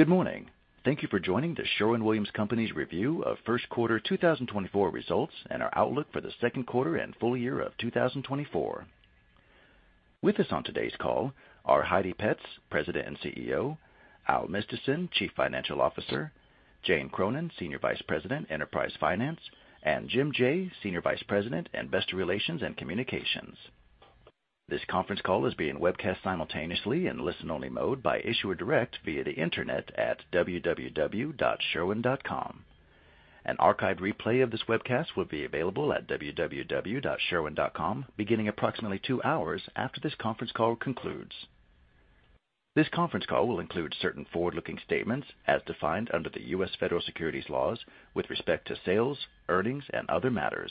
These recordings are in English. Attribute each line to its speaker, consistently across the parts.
Speaker 1: Good morning. Thank you for joining the Sherwin-Williams Company's review of first quarter 2024 results and our outlook for the second quarter and full-year of 2024. With us on today's call are Heidi Petz, President and CEO, Allen Mistysyn, Chief Financial Officer, Jane Cronin, Senior Vice President, Enterprise Finance, and Jim Jaye, Senior Vice President, Investor Relations and Communications. This conference call is being webcast simultaneously in listen-only mode by Issuer Direct via the internet at www.sherwin.com. An archived replay of this webcast will be available at www.sherwin.com beginning approximately two hours after this conference call concludes. This conference call will include certain forward-looking statements as defined under the U.S. Federal Securities Laws with respect to sales, earnings, and other matters.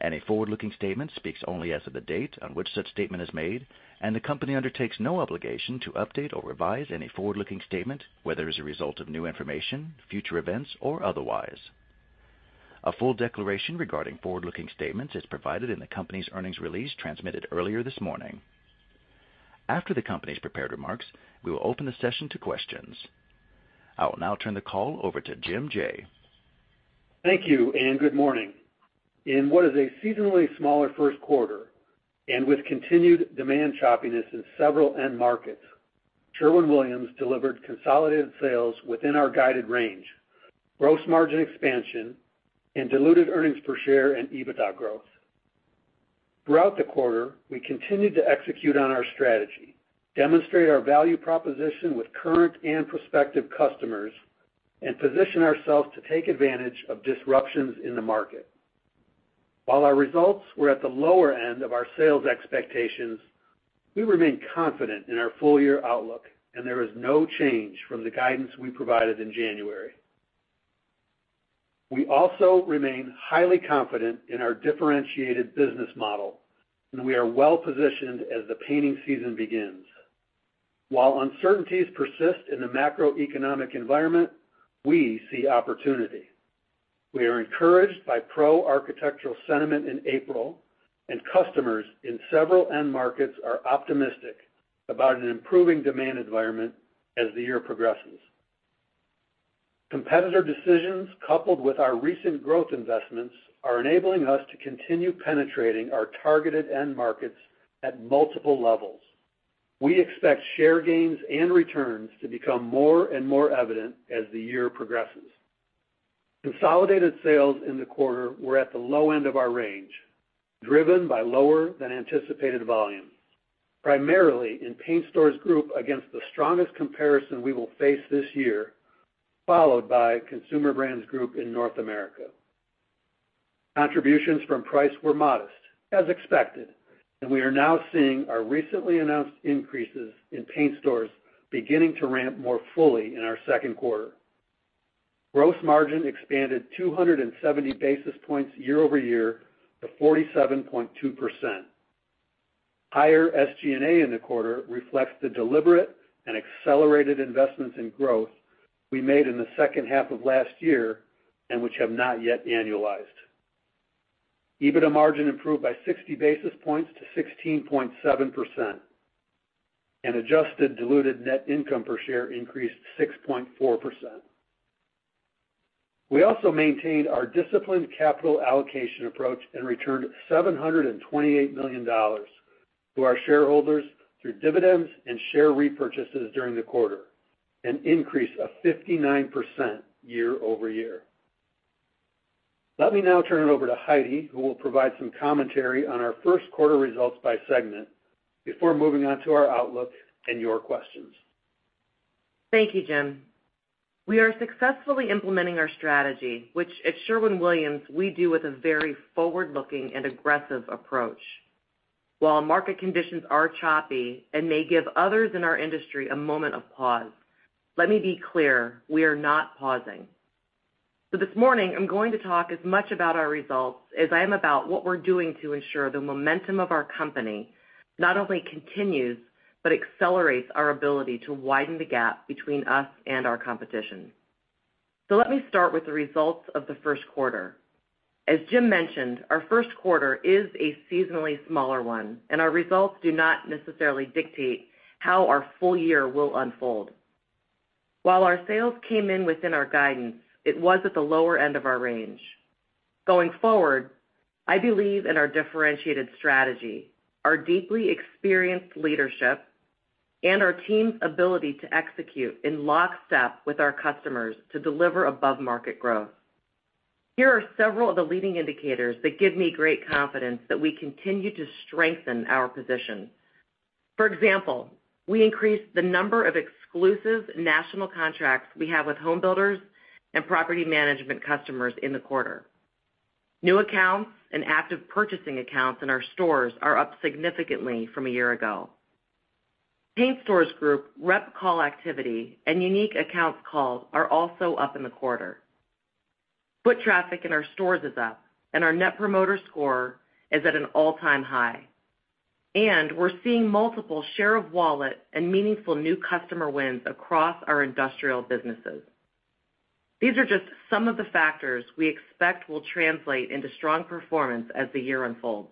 Speaker 1: Any forward-looking statement speaks only as of the date on which such statement is made, and the company undertakes no obligation to update or revise any forward-looking statement, whether as a result of new information, future events, or otherwise. A full declaration regarding forward-looking statements is provided in the company's earnings release transmitted earlier this morning. After the company's prepared remarks, we will open the session to questions. I will now turn the call over to Jim Jaye.
Speaker 2: Thank you, and good morning. In what is a seasonally smaller first quarter and with continued demand choppiness in several end markets, Sherwin-Williams delivered consolidated sales within our guided range, gross margin expansion, and diluted earnings per share and EBITDA growth. Throughout the quarter, we continued to execute on our strategy, demonstrate our value proposition with current and prospective customers, and position ourselves to take advantage of disruptions in the market. While our results were at the lower end of our sales expectations, we remain confident in our full-year outlook, and there is no change from the guidance we provided in January. We also remain highly confident in our differentiated business model, and we are well-positioned as the painting season begins. While uncertainties persist in the macroeconomic environment, we see opportunity. We are encouraged by Pro architectural sentiment in April, and customers in several end markets are optimistic about an improving demand environment as the year progresses. Competitor decisions coupled with our recent growth investments are enabling us to continue penetrating our targeted end markets at multiple levels. We expect share gains and returns to become more and more evident as the year progresses. Consolidated sales in the quarter were at the low end of our range, driven by lower-than-anticipated volume, primarily in Paint Stores Group against the strongest comparison we will face this year, followed by Consumer Brands Group in North America. Contributions from Price were modest, as expected, and we are now seeing our recently announced increases in Paint Stores beginning to ramp more fully in our second quarter. Gross margin expanded 270 basis points year-over-year to 47.2%. Higher SG&A in the quarter reflects the deliberate and accelerated investments in growth we made in the second half of last year and which have not yet annualized. EBITDA margin improved by 60 basis points to 16.7%, and adjusted diluted net income per share increased 6.4%. We also maintained our disciplined capital allocation approach and returned $728 million to our shareholders through dividends and share repurchases during the quarter, an increase of 59% year-over-year. Let me now turn it over to Heidi, who will provide some commentary on our first quarter results by segment before moving on to our outlook and your questions.
Speaker 3: Thank you, Jim. We are successfully implementing our strategy, which at Sherwin-Williams we do with a very forward-looking and aggressive approach. While market conditions are choppy and may give others in our industry a moment of pause, let me be clear: we are not pausing. This morning, I'm going to talk as much about our results as I am about what we're doing to ensure the momentum of our company not only continues but accelerates our ability to widen the gap between us and our competition. Let me start with the results of the first quarter. As Jim mentioned, our first quarter is a seasonally smaller one, and our results do not necessarily dictate how our full-year will unfold. While our sales came in within our guidance, it was at the lower end of our range. Going forward, I believe in our differentiated strategy, our deeply experienced leadership, and our team's ability to execute in lockstep with our customers to deliver above-market growth. Here are several of the leading indicators that give me great confidence that we continue to strengthen our position. For example, we increased the number of exclusive national contracts we have with home builders and property management customers in the quarter. New accounts and active purchasing accounts in our stores are up significantly from a year ago. Paint Stores Group rep call activity and unique accounts called are also up in the quarter. Foot traffic in our stores is up, and our Net Promoter Score is at an all-time high. And we're seeing multiple share-of-wallet and meaningful new customer wins across our industrial businesses. These are just some of the factors we expect will translate into strong performance as the year unfolds.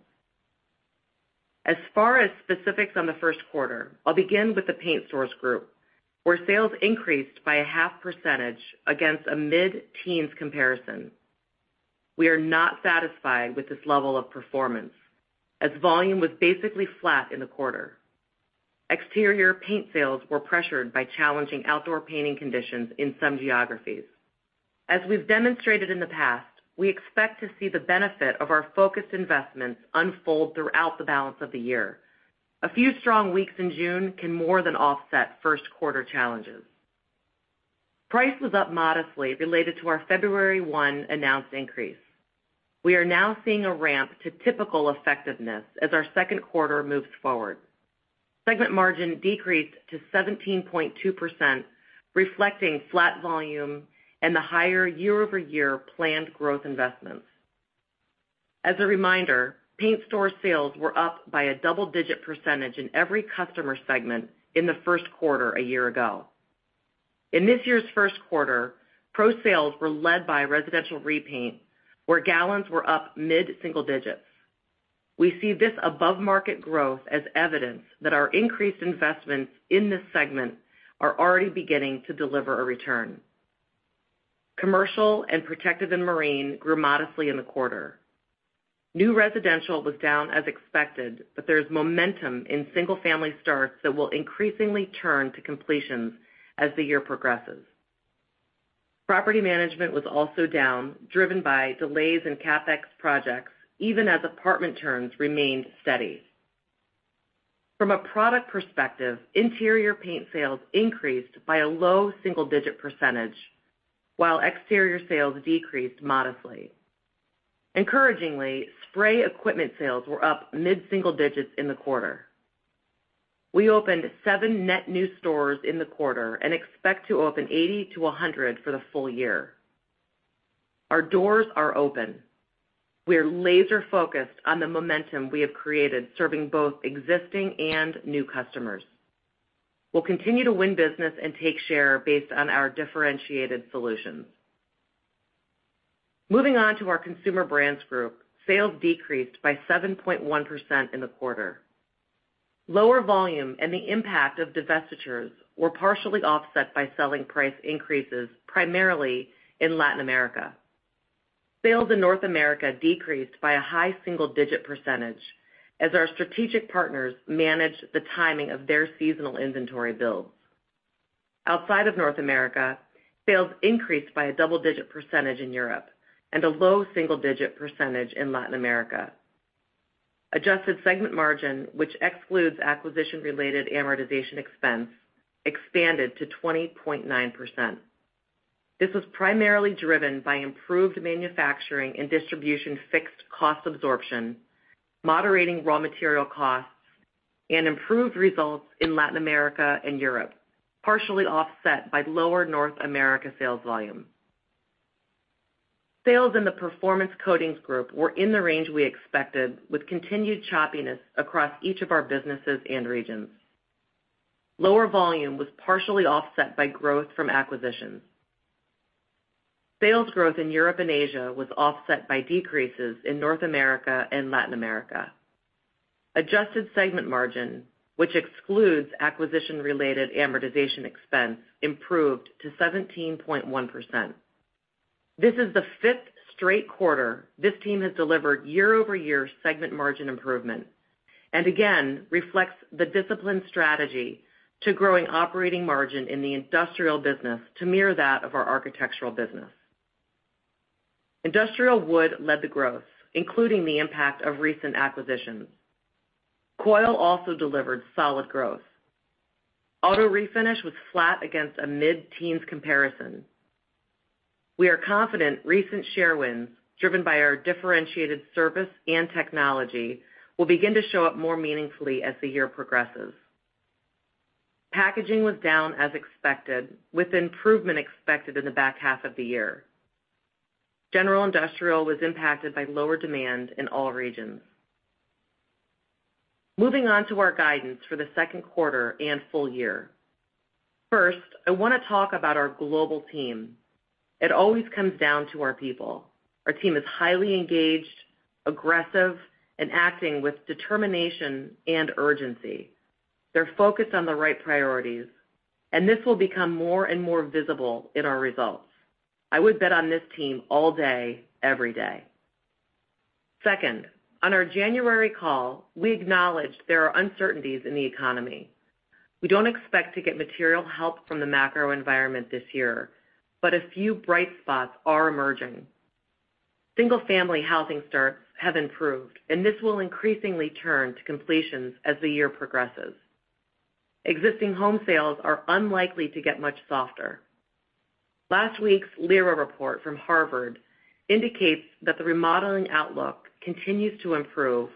Speaker 3: As far as specifics on the first quarter, I'll begin with the Paint Stores Group, where sales increased by 0.5% against a mid-teens comparison. We are not satisfied with this level of performance, as volume was basically flat in the quarter. Exterior paint sales were pressured by challenging outdoor painting conditions in some geographies. As we've demonstrated in the past, we expect to see the benefit of our focused investments unfold throughout the balance of the year. A few strong weeks in June can more than offset first-quarter challenges. Price was up modestly related to our February 1 announced increase. We are now seeing a ramp to typical effectiveness as our second quarter moves forward. Segment margin decreased to 17.2%, reflecting flat volume and the higher year-over-year planned growth investments. As a reminder, Paint Stores sales were up by a double-digit percentage in every customer segment in the first quarter a year ago. In this year's first quarter, Pro Sales were led by residential repaint, where gallons were up mid-single-digits. We see this above-market growth as evidence that our increased investments in this segment are already beginning to deliver a return. Commercial and Protective & Marine grew modestly in the quarter. New residential was down as expected, but there is momentum in single-family starts that will increasingly turn to completions as the year progresses. Property management was also down, driven by delays in CapEx projects, even as apartment turns remained steady. From a product perspective, interior paint sales increased by a low single-digit percentage, while exterior sales decreased modestly. Encouragingly, spray equipment sales were up mid-single digits in the quarter. We opened 7 net new stores in the quarter and expect to open 80-100 for the full-year. Our doors are open. We are laser-focused on the momentum we have created serving both existing and new customers. We'll continue to win business and take share based on our differentiated solutions. Moving on to our Consumer Brands Group, sales decreased by 7.1% in the quarter. Lower volume and the impact of divestitures were partially offset by selling price increases, primarily in Latin America. Sales in North America decreased by a high single-digit percentage as our strategic partners managed the timing of their seasonal inventory builds. Outside of North America, sales increased by a double-digit percentage in Europe and a low single-digit percentage in Latin America. Adjusted segment margin, which excludes acquisition-related amortization expense, expanded to 20.9%. This was primarily driven by improved manufacturing and distribution fixed cost absorption, moderating raw material costs, and improved results in Latin America and Europe, partially offset by lower North America sales volume. Sales in the Performance Coatings Group were in the range we expected, with continued choppiness across each of our businesses and regions. Lower volume was partially offset by growth from acquisitions. Sales growth in Europe and Asia was offset by decreases in North America and Latin America. Adjusted segment margin, which excludes acquisition-related amortization expense, improved to 17.1%. This is the fifth straight quarter this team has delivered year-over-year segment margin improvement and, again, reflects the disciplined strategy to growing operating margin in the Industrial business to mirror that of our Architectural business. Industrial Wood led the growth, including the impact of recent acquisitions. Coil also delivered solid growth. Auto Refinish was flat against a mid-teens comparison. We are confident recent share wins, driven by our differentiated service and technology, will begin to show up more meaningfully as the year progresses. Packaging was down as expected, with improvement expected in the back half of the year. General Industrial was impacted by lower demand in all regions. Moving on to our guidance for the second quarter and full-year. First, I want to talk about our Global team. It always comes down to our people. Our team is highly engaged, aggressive, and acting with determination and urgency. They're focused on the right priorities, and this will become more and more visible in our results. I would bet on this team all day, every day. Second, on our January call, we acknowledged there are uncertainties in the economy. We don't expect to get material help from the macro environment this year, but a few bright spots are emerging. Single-family housing starts have improved, and this will increasingly turn to completions as the year progresses. Existing home sales are unlikely to get much softer. Last week's LIRA report from Harvard indicates that the remodeling outlook continues to improve,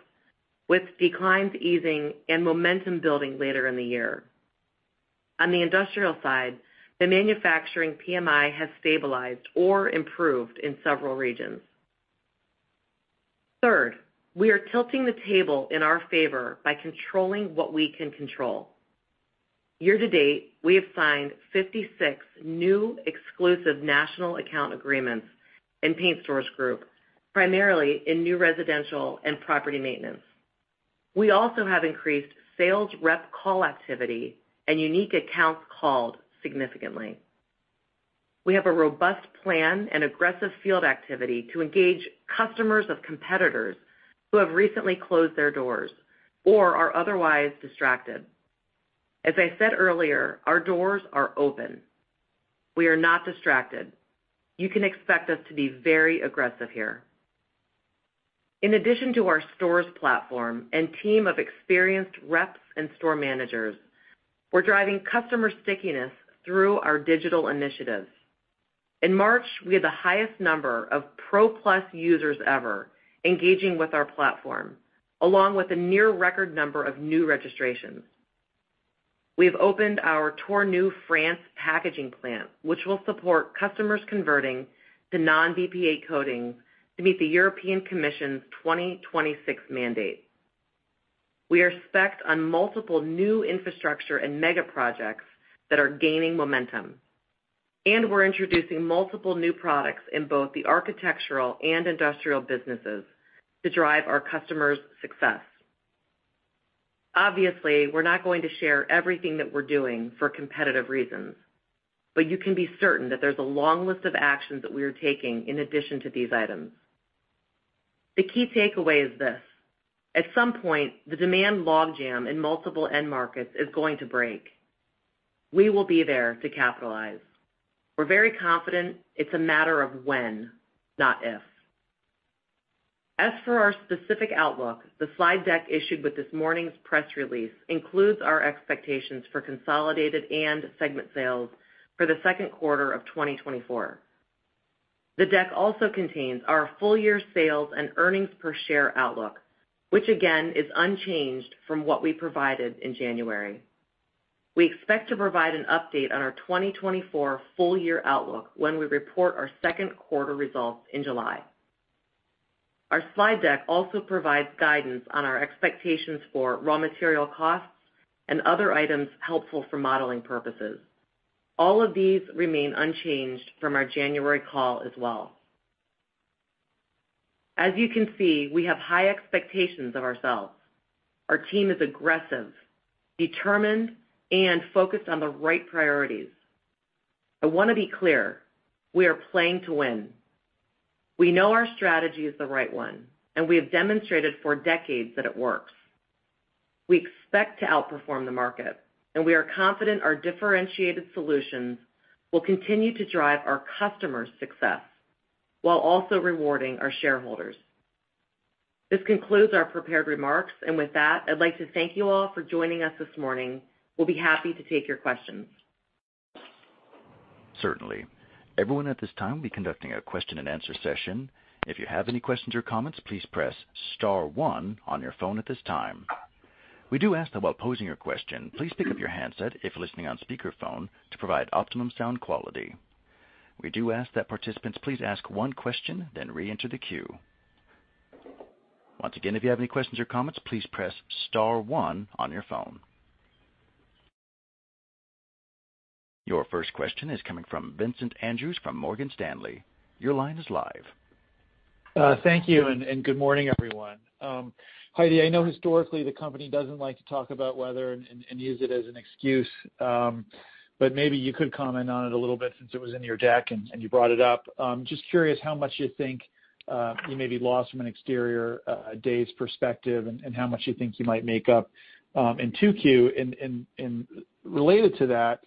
Speaker 3: with declines easing and momentum building later in the year. On the industrial side, the manufacturing PMI has stabilized or improved in several regions. Third, we are tilting the table in our favor by controlling what we can control. Year to date, we have signed 56 new exclusive national account agreements in Paint Stores Group, primarily in new residential and property maintenance. We also have increased sales rep call activity and unique accounts called significantly. We have a robust plan and aggressive field activity to engage customers of competitors who have recently closed their doors or are otherwise distracted. As I said earlier, our doors are open. We are not distracted. You can expect us to be very aggressive here. In addition to our stores platform and team of experienced reps and store managers, we're driving customer stickiness through our digital initiatives. In March, we had the highest number of PRO+ users ever engaging with our platform, along with a near-record number of new registrations. We have opened our Tournus France packaging plant, which will support customers converting to non-BPA coatings to meet the European Commission's 2026 mandate. We are specced on multiple new infrastructure and mega projects that are gaining momentum, and we're introducing multiple new products in both the Architectural and Industrial businesses to drive our customers' success. Obviously, we're not going to share everything that we're doing for competitive reasons, but you can be certain that there's a long list of actions that we are taking in addition to these items. The key takeaway is this: at some point, the demand logjam in multiple end markets is going to break. We will be there to capitalize. We're very confident it's a matter of when, not if. As for our specific outlook, the slide deck issued with this morning's press release includes our expectations for consolidated and segment sales for the second quarter of 2024. The deck also contains our full-year sales and earnings per share outlook, which again is unchanged from what we provided in January. We expect to provide an update on our 2024 full-year outlook when we report our second quarter results in July. Our slide deck also provides guidance on our expectations for raw material costs and other items helpful for modeling purposes. All of these remain unchanged from our January call as well. As you can see, we have high expectations of ourselves. Our team is aggressive, determined, and focused on the right priorities. I want to be clear: we are playing to win. We know our strategy is the right one, and we have demonstrated for decades that it works. We expect to outperform the market, and we are confident our differentiated solutions will continue to drive our customers' success while also rewarding our shareholders. This concludes our prepared remarks, and with that, I'd like to thank you all for joining us this morning. We'll be happy to take your questions.
Speaker 1: Certainly. Everyone at this time, we'll be conducting a question-and-answer session. If you have any questions or comments, please press Star one on your phone at this time. We do ask that while posing your question, please pick up your handset if listening on speakerphone to provide optimum sound quality. We do ask that participants please ask one question, then reenter the queue. Once again, if you have any questions or comments, please press Star one on your phone. Your first question is coming from Vincent Andrews from Morgan Stanley. Your line is live.
Speaker 4: Thank you, and good morning, everyone. Heidi, I know historically the company doesn't like to talk about weather and use it as an excuse, but maybe you could comment on it a little bit since it was in your deck and you brought it up. Just curious how much you think you maybe lost from an exterior days perspective and how much you think you might make up in Q2? Related to that,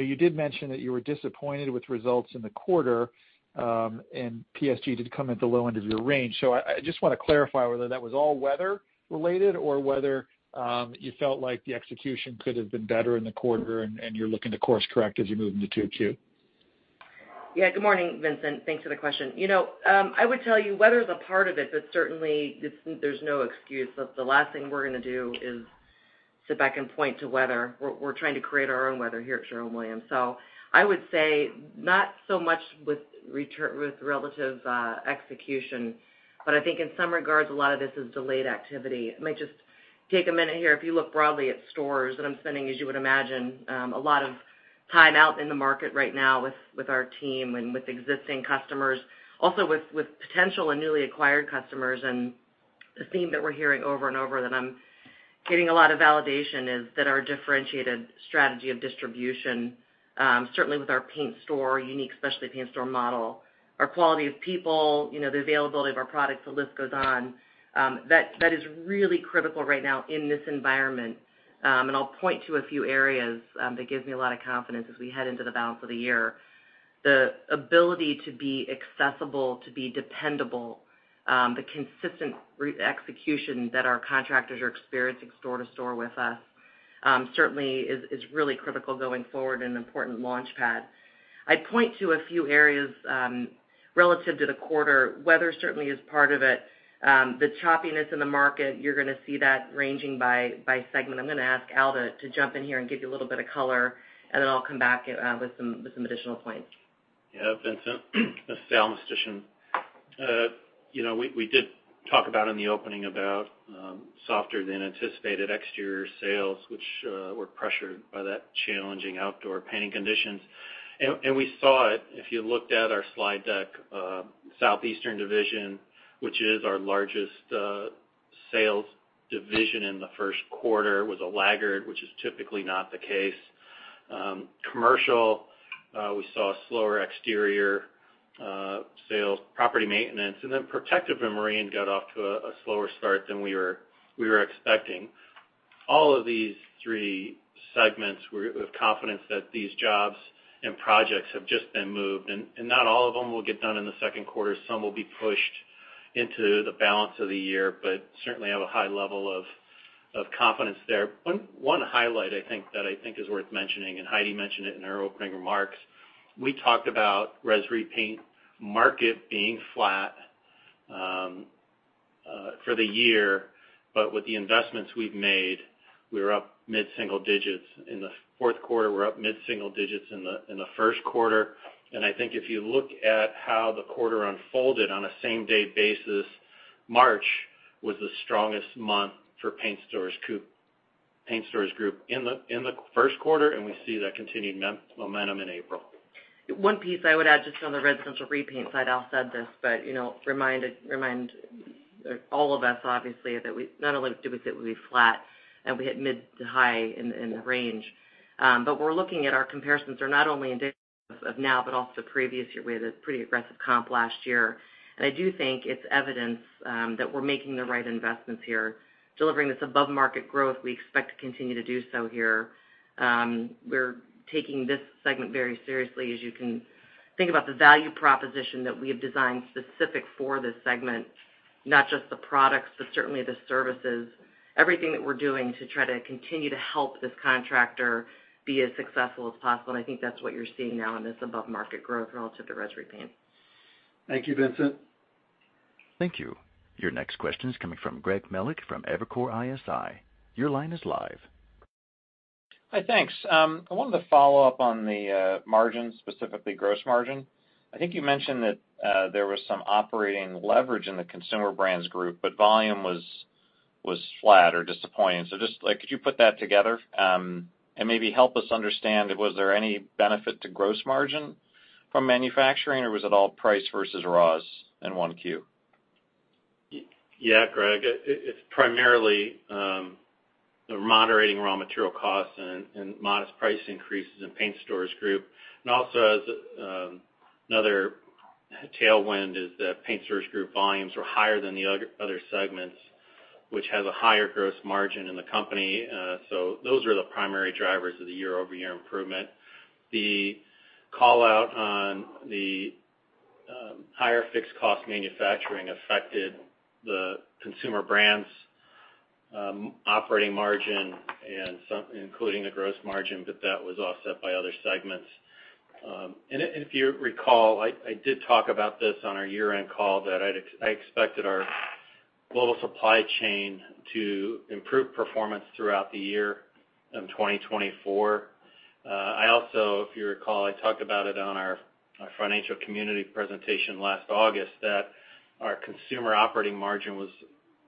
Speaker 4: you did mention that you were disappointed with results in the quarter, and PSG did come at the low end of your range. I just want to clarify whether that was all weather-related or whether you felt like the execution could have been better in the quarter and you're looking to course-correct as you move into Q2.
Speaker 3: Yeah. Good morning, Vincent. Thanks for the question. I would tell you weather's a part of it, but certainly there's no excuse. The last thing we're going to do is sit back and point to weather. We're trying to create our own weather here at Sherwin-Williams. So I would say not so much with relative execution, but I think in some regards, a lot of this is delayed activity. I might just take a minute here. If you look broadly at stores, and I'm spending, as you would imagine, a lot of time out in the market right now with our team and with existing customers, also with potential and newly acquired customers. The theme that we're hearing over and over that I'm getting a lot of validation is that our differentiated strategy of distribution, certainly with our paint store, unique specialty paint store model, our quality of people, the availability of our products, the list goes on. That is really critical right now in this environment. And I'll point to a few areas that give me a lot of confidence as we head into the balance of the year. The ability to be accessible, to be dependable, the consistent execution that our contractors are experiencing store to store with us certainly is really critical going forward and an important launchpad. I'd point to a few areas relative to the quarter. Weather certainly is part of it. The choppiness in the market, you're going to see that ranging by segment. I'm going to ask Allen to jump in here and give you a little bit of color, and then I'll come back with some additional points.
Speaker 5: Yeah, Vincent. This is Allen Mistysyn. We did talk about in the opening about softer-than-anticipated exterior sales, which were pressured by that challenging outdoor painting conditions. And we saw it if you looked at our slide deck. Southeastern Division, which is our largest sales division in the first quarter, was a laggard, which is typically not the case. Commercial, we saw slower exterior sales, property maintenance, and then Protective & Marine got off to a slower start than we were expecting. All of these three segments, we're confident that these jobs and projects have just been moved, and not all of them will get done in the second quarter. Some will be pushed into the balance of the year, but certainly have a high level of confidence there. One highlight, I think, that I think is worth mentioning, and Heidi mentioned it in her opening remarks. We talked about Res Repaint market being flat for the year, but with the investments we've made, we were up mid-single-digits. In the fourth quarter, we're up mid-single digits in the first quarter. And I think if you look at how the quarter unfolded on a same-day basis, March was the strongest month for Paint Stores Group in the first quarter, and we see that continued momentum in April.
Speaker 3: One piece I would add just on the residential repaint side, Al said this, but remind all of us, obviously, that not only did we say we'd be flat and we hit mid to high in the range, but we're looking at our comparisons. They're not only indicative of now, but also previous year. We had a pretty aggressive comp last year. I do think it's evidence that we're making the right investments here, delivering this above-market growth. We expect to continue to do so here. We're taking this segment very seriously. As you can think about the value proposition that we have designed specific for this segment, not just the products, but certainly the services, everything that we're doing to try to continue to help this contractor be as successful as possible. I think that's what you're seeing now in this above-market growth relative to Res Repaint.
Speaker 5: Thank you, Vincent.
Speaker 1: Thank you. Your next question is coming from Greg Melich from Evercore ISI. Your line is live.
Speaker 6: Hi. Thanks. I wanted to follow up on the margin, specifically gross margin. I think you mentioned that there was some operating leverage in the Consumer Brands Group, but volume was flat or disappointing. So just could you put that together and maybe help us understand? Was there any benefit to gross margin from manufacturing, or was it all price versus Raws in Q1?
Speaker 5: Yeah, Greg. It's primarily the moderating raw material costs and modest price increases in Paint Stores Group. Also another tailwind is that Paint Stores Group volumes were higher than the other segments, which has a higher gross margin in the company. So those are the primary drivers of the year-over-year improvement. The callout on the higher fixed cost manufacturing affected the Consumer Brands Group's operating margin, including the gross margin, but that was offset by other segments. If you recall, I did talk about this on our year-end call, that I expected our global supply chain to improve performance throughout the year in 2024. I also, if you recall, I talked about it on our financial community presentation last August, that our Consumer Brands Group operating margin was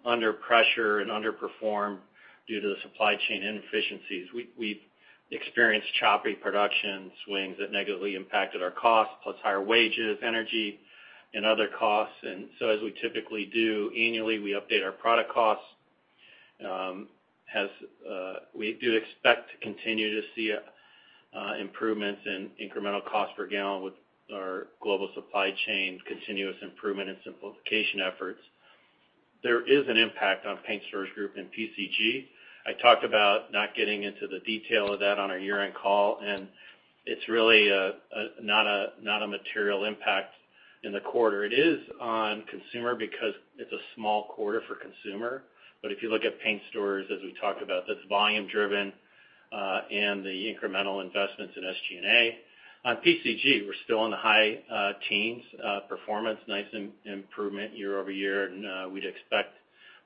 Speaker 5: under pressure and underperformed due to the supply chain inefficiencies. We experienced choppy production swings that negatively impacted our costs, plus higher wages, energy, and other costs. And so as we typically do annually, we update our product costs. We do expect to continue to see improvements in incremental cost per gallon with our global supply chain continuous improvement and simplification efforts. There is an impact on Paint Stores Group and PCG. I talked about not getting into the detail of that on our year-end call, and it's really not a material impact in the quarter. It is on consumer because it's a small quarter for consumer. But if you look at Paint Stores, as we talked about, that's volume-driven and the incremental investments in SG&A. On PCG, we're still in the high teens. Performance, nice improvement year-over-year, and we'd expect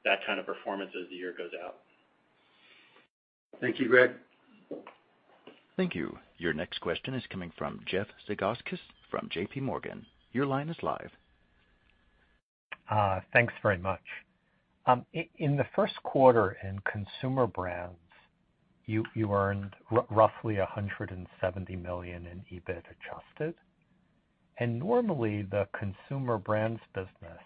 Speaker 5: that kind of performance as the year goes out.
Speaker 2: Thank you, Greg.
Speaker 1: Thank you. Your next question is coming from Jeff Zekauskas from JPMorgan. Your line is live.
Speaker 7: Thanks very much. In the first quarter in Consumer Brands, you earned roughly $170 million in EBIT adjusted. And normally, the Consumer Brands business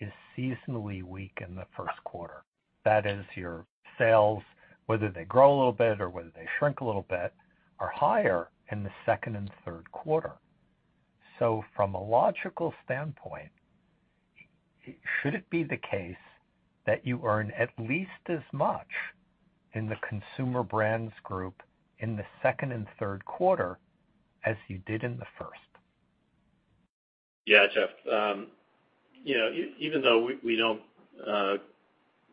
Speaker 7: is seasonally weak in the first quarter. That is, your sales, whether they grow a little bit or whether they shrink a little bit, are higher in the second and third quarter. So from a logical standpoint, should it be the case that you earn at least as much in the Consumer Brands Group in the second and third quarter as you did in the first?
Speaker 5: Yeah, Jeff. Even though we don't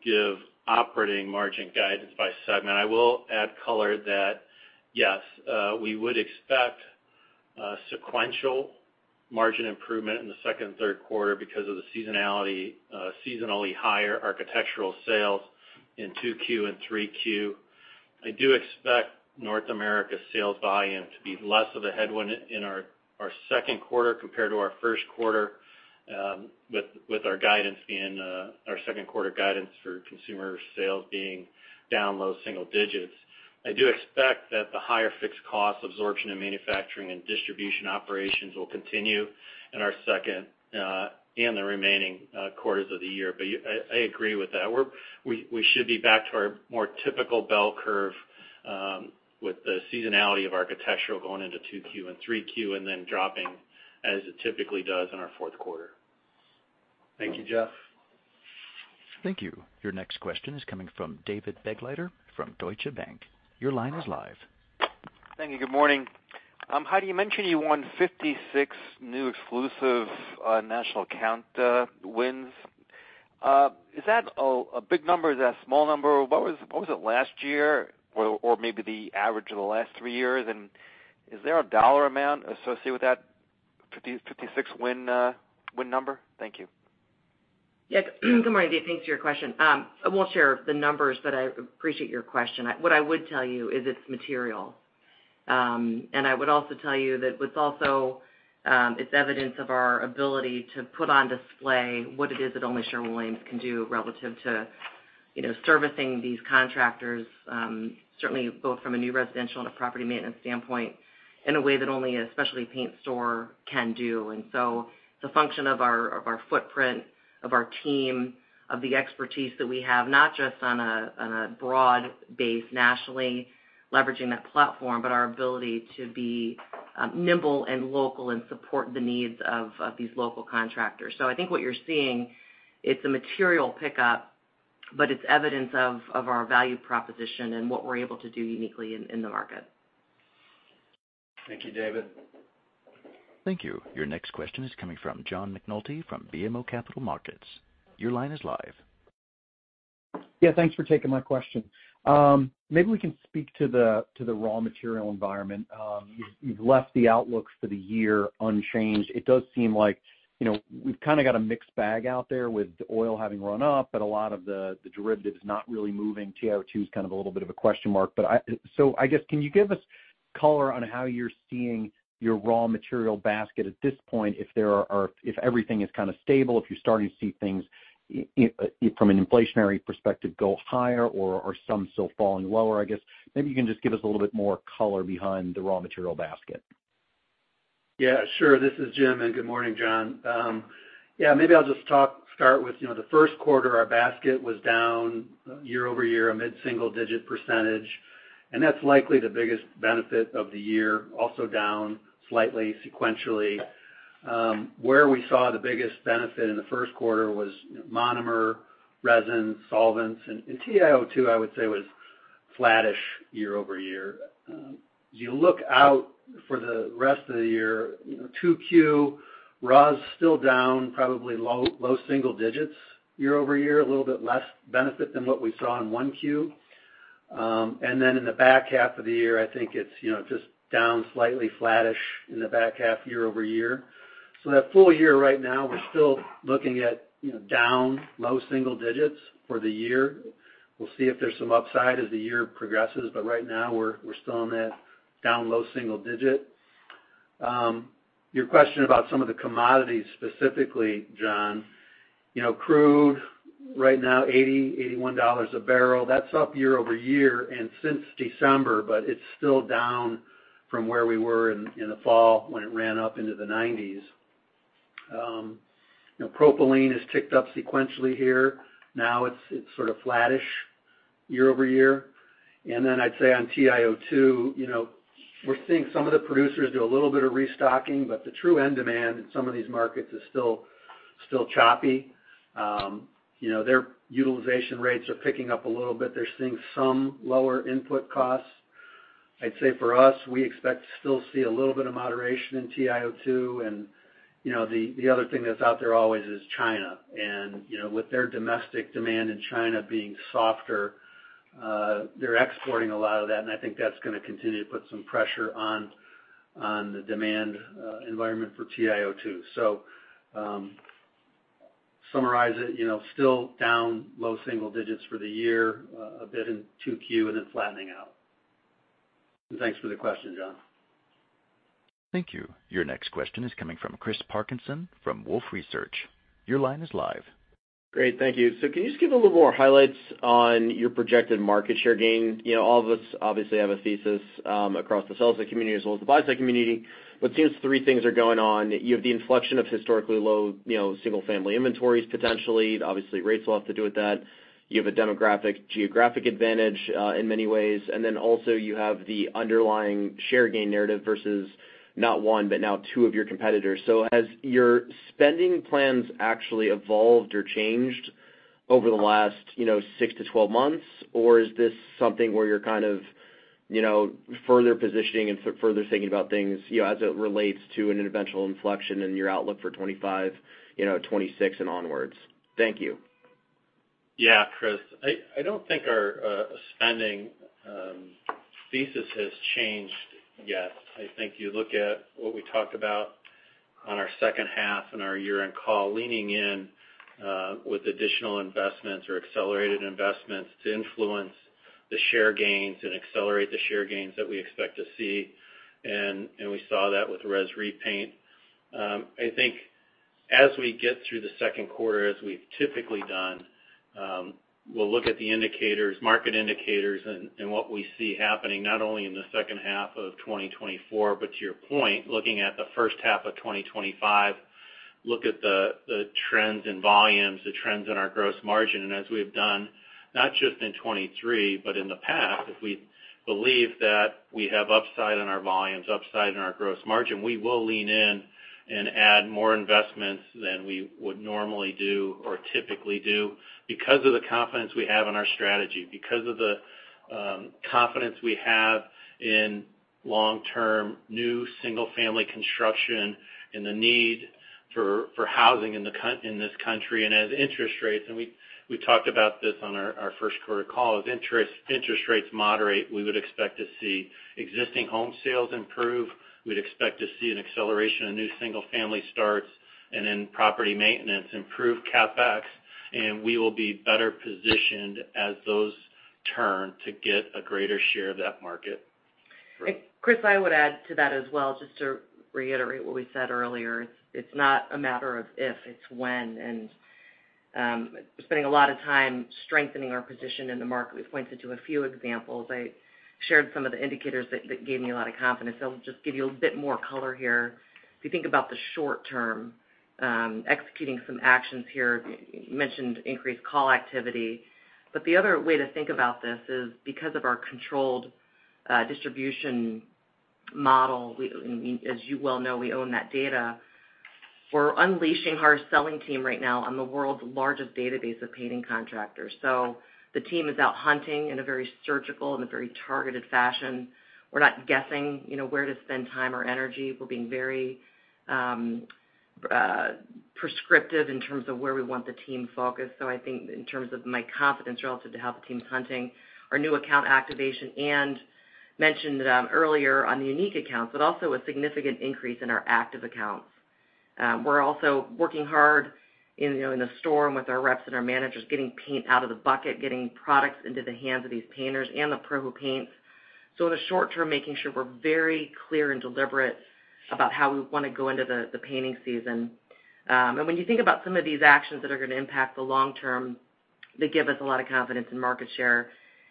Speaker 5: give operating margin guidance by segment, I will add color that yes, we would expect sequential margin improvement in the second and third quarter because of the seasonally higher architectural sales in Q2 and Q3. I do expect North America sales volume to be less of a headwind in our second quarter compared to our first quarter, with our second quarter guidance for consumer sales being down low single digits. I do expect that the higher fixed cost absorption in manufacturing and distribution operations will continue in our second and the remaining quarters of the year. But I agree with that. We should be back to our more typical bell curve with the seasonality of architectural going into Q2 and Q3 and then dropping as it typically does in our fourth quarter.
Speaker 2: Thank you, Jeff.
Speaker 1: Thank you. Your next question is coming from David Begleiter from Deutsche Bank. Your line is live.
Speaker 8: Thank you. Good morning. Heidi, you mentioned you won 56 new exclusive national count wins. Is that a big number? Is that a small number? What was it last year or maybe the average of the last three years? And is there a dollar amount associated with that 56 win number? Thank you.
Speaker 3: Yeah. Good morning, Dave. Thanks for your question. I won't share the numbers, but I appreciate your question. What I would tell you is it's material. And I would also tell you that it's evidence of our ability to put on display what it is that only Sherwin-Williams can do relative to servicing these contractors, certainly both from a new residential and a property maintenance standpoint, in a way that only a specialty paint store can do. And so it's a function of our footprint, of our team, of the expertise that we have, not just on a broad base nationally leveraging that platform, but our ability to be nimble and local and support the needs of these local contractors. So I think what you're seeing, it's a material pickup, but it's evidence of our value proposition and what we're able to do uniquely in the market.
Speaker 2: Thank you, David.
Speaker 1: Thank you. Your next question is coming from John McNulty from BMO Capital Markets. Your line is live.
Speaker 9: Yeah. Thanks for taking my question. Maybe we can speak to the raw material environment. You've left the outlook for the year unchanged. It does seem like we've kind of got a mixed bag out there with the oil having run up, but a lot of the derivatives not really moving. CO2 is kind of a little bit of a question mark. So I guess, can you give us color on how you're seeing your raw material basket at this point, if everything is kind of stable, if you're starting to see things from an inflationary perspective go higher or some still falling lower, I guess? Maybe you can just give us a little bit more color behind the raw material basket.
Speaker 2: Yeah. Sure. This is Jim. And good morning, John. Yeah. Maybe I'll just start with the first quarter. Our basket was down year-over-year, a mid-single-digit percentage. And that's likely the biggest benefit of the year, also down slightly sequentially. Where we saw the biggest benefit in the first quarter was monomer, resin, solvents. And TiO2, I would say, was flattish year-over-year. If you look out for the rest of the year, 2Q, ROS still down, probably low single-digits year-over-year, a little bit less benefit than what we saw in 1Q. And then in the back half of the year, I think it's just down slightly, flattish in the back half year-over-year. So that full year right now, we're still looking at down low-single digits for the year. We'll see if there's some upside as the year progresses, but right now, we're still in that down low single-digit. Your question about some of the commodities specifically, John. Crude right now, $80-$81 a barrel. That's up year-over-year and since December, but it's still down from where we were in the fall when it ran up into the 90s. Propylene has ticked up sequentially here. Now, it's sort of flattish year-over-year. And then I'd say on TiO2, we're seeing some of the producers do a little bit of restocking, but the true end demand in some of these markets is still choppy. Their utilization rates are picking up a little bit. They're seeing some lower input costs. I'd say for us, we expect to still see a little bit of moderation in TiO2. And the other thing that's out there always is China. With their domestic demand in China being softer, they're exporting a lot of that, and I think that's going to continue to put some pressure on the demand environment for TiO2. So summarize it: still down low single digits for the year, a bit in Q2, and then flattening out. And thanks for the question, John.
Speaker 1: Thank you. Your next question is coming from Chris Parkinson from Wolfe Research. Your line is live.
Speaker 10: Great. Thank you. So can you just give a little more highlights on your projected market share gain? All of us, obviously, have a thesis across the sales tech community as well as the buy tech community, but it seems three things are going on. You have the inflection of historically low single-family inventories, potentially. Obviously, rates will have to do with that. You have a demographic, geographic advantage in many ways. And then also, you have the underlying share gain narrative versus not one, but now two of your competitors. So has your spending plans actually evolved or changed over the last 6-12 months, or is this something where you're kind of further positioning and further thinking about things as it relates to an eventual inflection in your outlook for 2025, 2026, and onwards? Thank you.
Speaker 5: Yeah, Chris. I don't think our spending thesis has changed yet. I think you look at what we talked about on our second half in our year-end call leaning in with additional investments or accelerated investments to influence the share gains and accelerate the share gains that we expect to see. We saw that with Res Repaint. I think as we get through the second quarter, as we've typically done, we'll look at the indicators, market indicators, and what we see happening not only in the second half of 2024, but to your point, looking at the first half of 2025, look at the trends in volumes, the trends in our gross margin. As we have done, not just in 2023, but in the past, if we believe that we have upside in our volumes, upside in our gross margin, we will lean in and add more investments than we would normally do or typically do because of the confidence we have in our strategy, because of the confidence we have in long-term new single-family construction, in the need for housing in this country, and as interest rates and we talked about this on our first quarter call. As interest rates moderate, we would expect to see existing home sales improve. We'd expect to see an acceleration of new single-family starts and then property maintenance improve CapEx. We will be better positioned as those turn to get a greater share of that market.
Speaker 3: Chris, I would add to that as well, just to reiterate what we said earlier. It's not a matter of if. It's when. Spending a lot of time strengthening our position in the market, we've pointed to a few examples. I shared some of the indicators that gave me a lot of confidence. I'll just give you a bit more color here. If you think about the short term, executing some actions here, you mentioned increased call activity. But the other way to think about this is because of our controlled distribution model, and as you well know, we own that data. We're unleashing our selling team right now on the world's largest database of painting contractors. So the team is out hunting in a very surgical and a very targeted fashion. We're not guessing where to spend time or energy. We're being very prescriptive in terms of where we want the team focused. So I think in terms of my confidence relative to how the team's hunting, our new account activation, and mentioned earlier on the unique accounts, but also a significant increase in our active accounts. We're also working hard in the store and with our reps and our managers, getting paint out of the bucket, getting products into the hands of these painters and the PRO who paints. So in the short term, making sure we're very clear and deliberate about how we want to go into the painting season. When you think about some of these actions that are going to impact the long-term that give us a lot of confidence in market share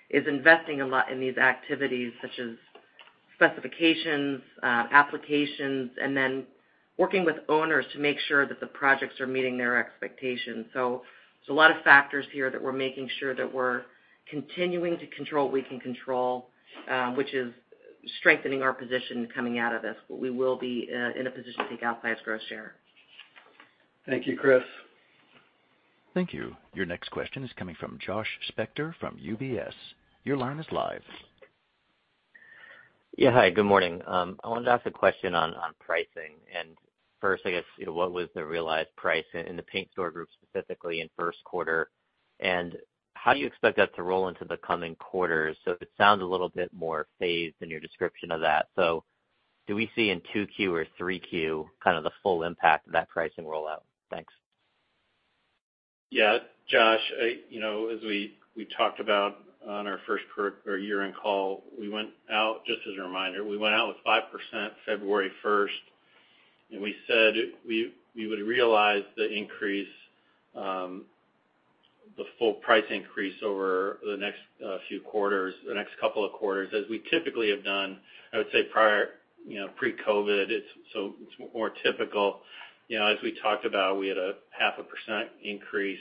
Speaker 3: is investing a lot in these activities such as specifications, applications, and then working with owners to make sure that the projects are meeting their expectations. There's a lot of factors here that we're making sure that we're continuing to control what we can control, which is strengthening our position coming out of this. We will be in a position to take outsized share.
Speaker 2: Thank you, Chris.
Speaker 1: Thank you. Your next question is coming from Josh Spector from UBS. Your line is live.
Speaker 11: Yeah. Hi. Good morning. I wanted to ask a question on pricing. And first, I guess, what was the realized price in the Paint Stores Group specifically in first quarter? And how do you expect that to roll into the coming quarters? So it sounds a little bit more phased in your description of that. So do we see in Q2 or Q3 kind of the full impact of that pricing rollout? Thanks.
Speaker 5: Yeah. Josh, as we talked about on our first year-end call, we went out just as a reminder. We went out with 5% February 1st. We said we would realize the increase, the full price increase over the next few quarters, the next couple of quarters, as we typically have done. I would say pre-COVID, so it's more typical. As we talked about, we had a 0.5% increase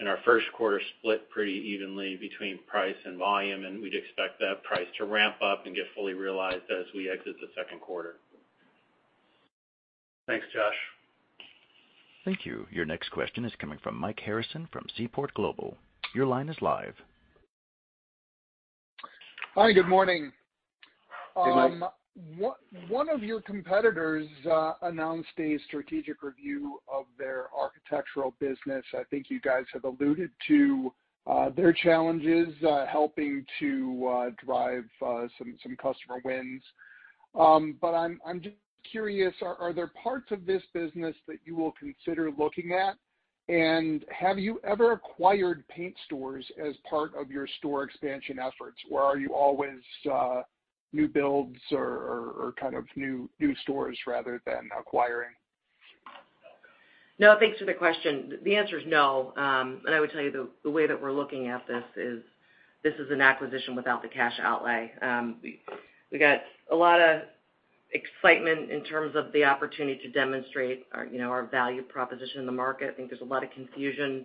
Speaker 5: in our first quarter split pretty evenly between price and volume. We'd expect that price to ramp up and get fully realized as we exit the second quarter.
Speaker 2: Thanks, Josh.
Speaker 1: Thank you. Your next question is coming from Mike Harrison from Seaport Global. Your line is live.
Speaker 12: Hi. Good morning. One of your competitors announced a strategic review of their architectural business. I think you guys have alluded to their challenges helping to drive some customer wins. But I'm just curious, are there parts of this business that you will consider looking at? And have you ever acquired Paint Stores as part of your store expansion efforts, or are you always new builds or kind of new stores rather than acquiring?
Speaker 3: No. Thanks for the question. The answer is no. I would tell you the way that we're looking at this is this is an acquisition without the cash outlay. We got a lot of excitement in terms of the opportunity to demonstrate our value proposition in the market. I think there's a lot of confusion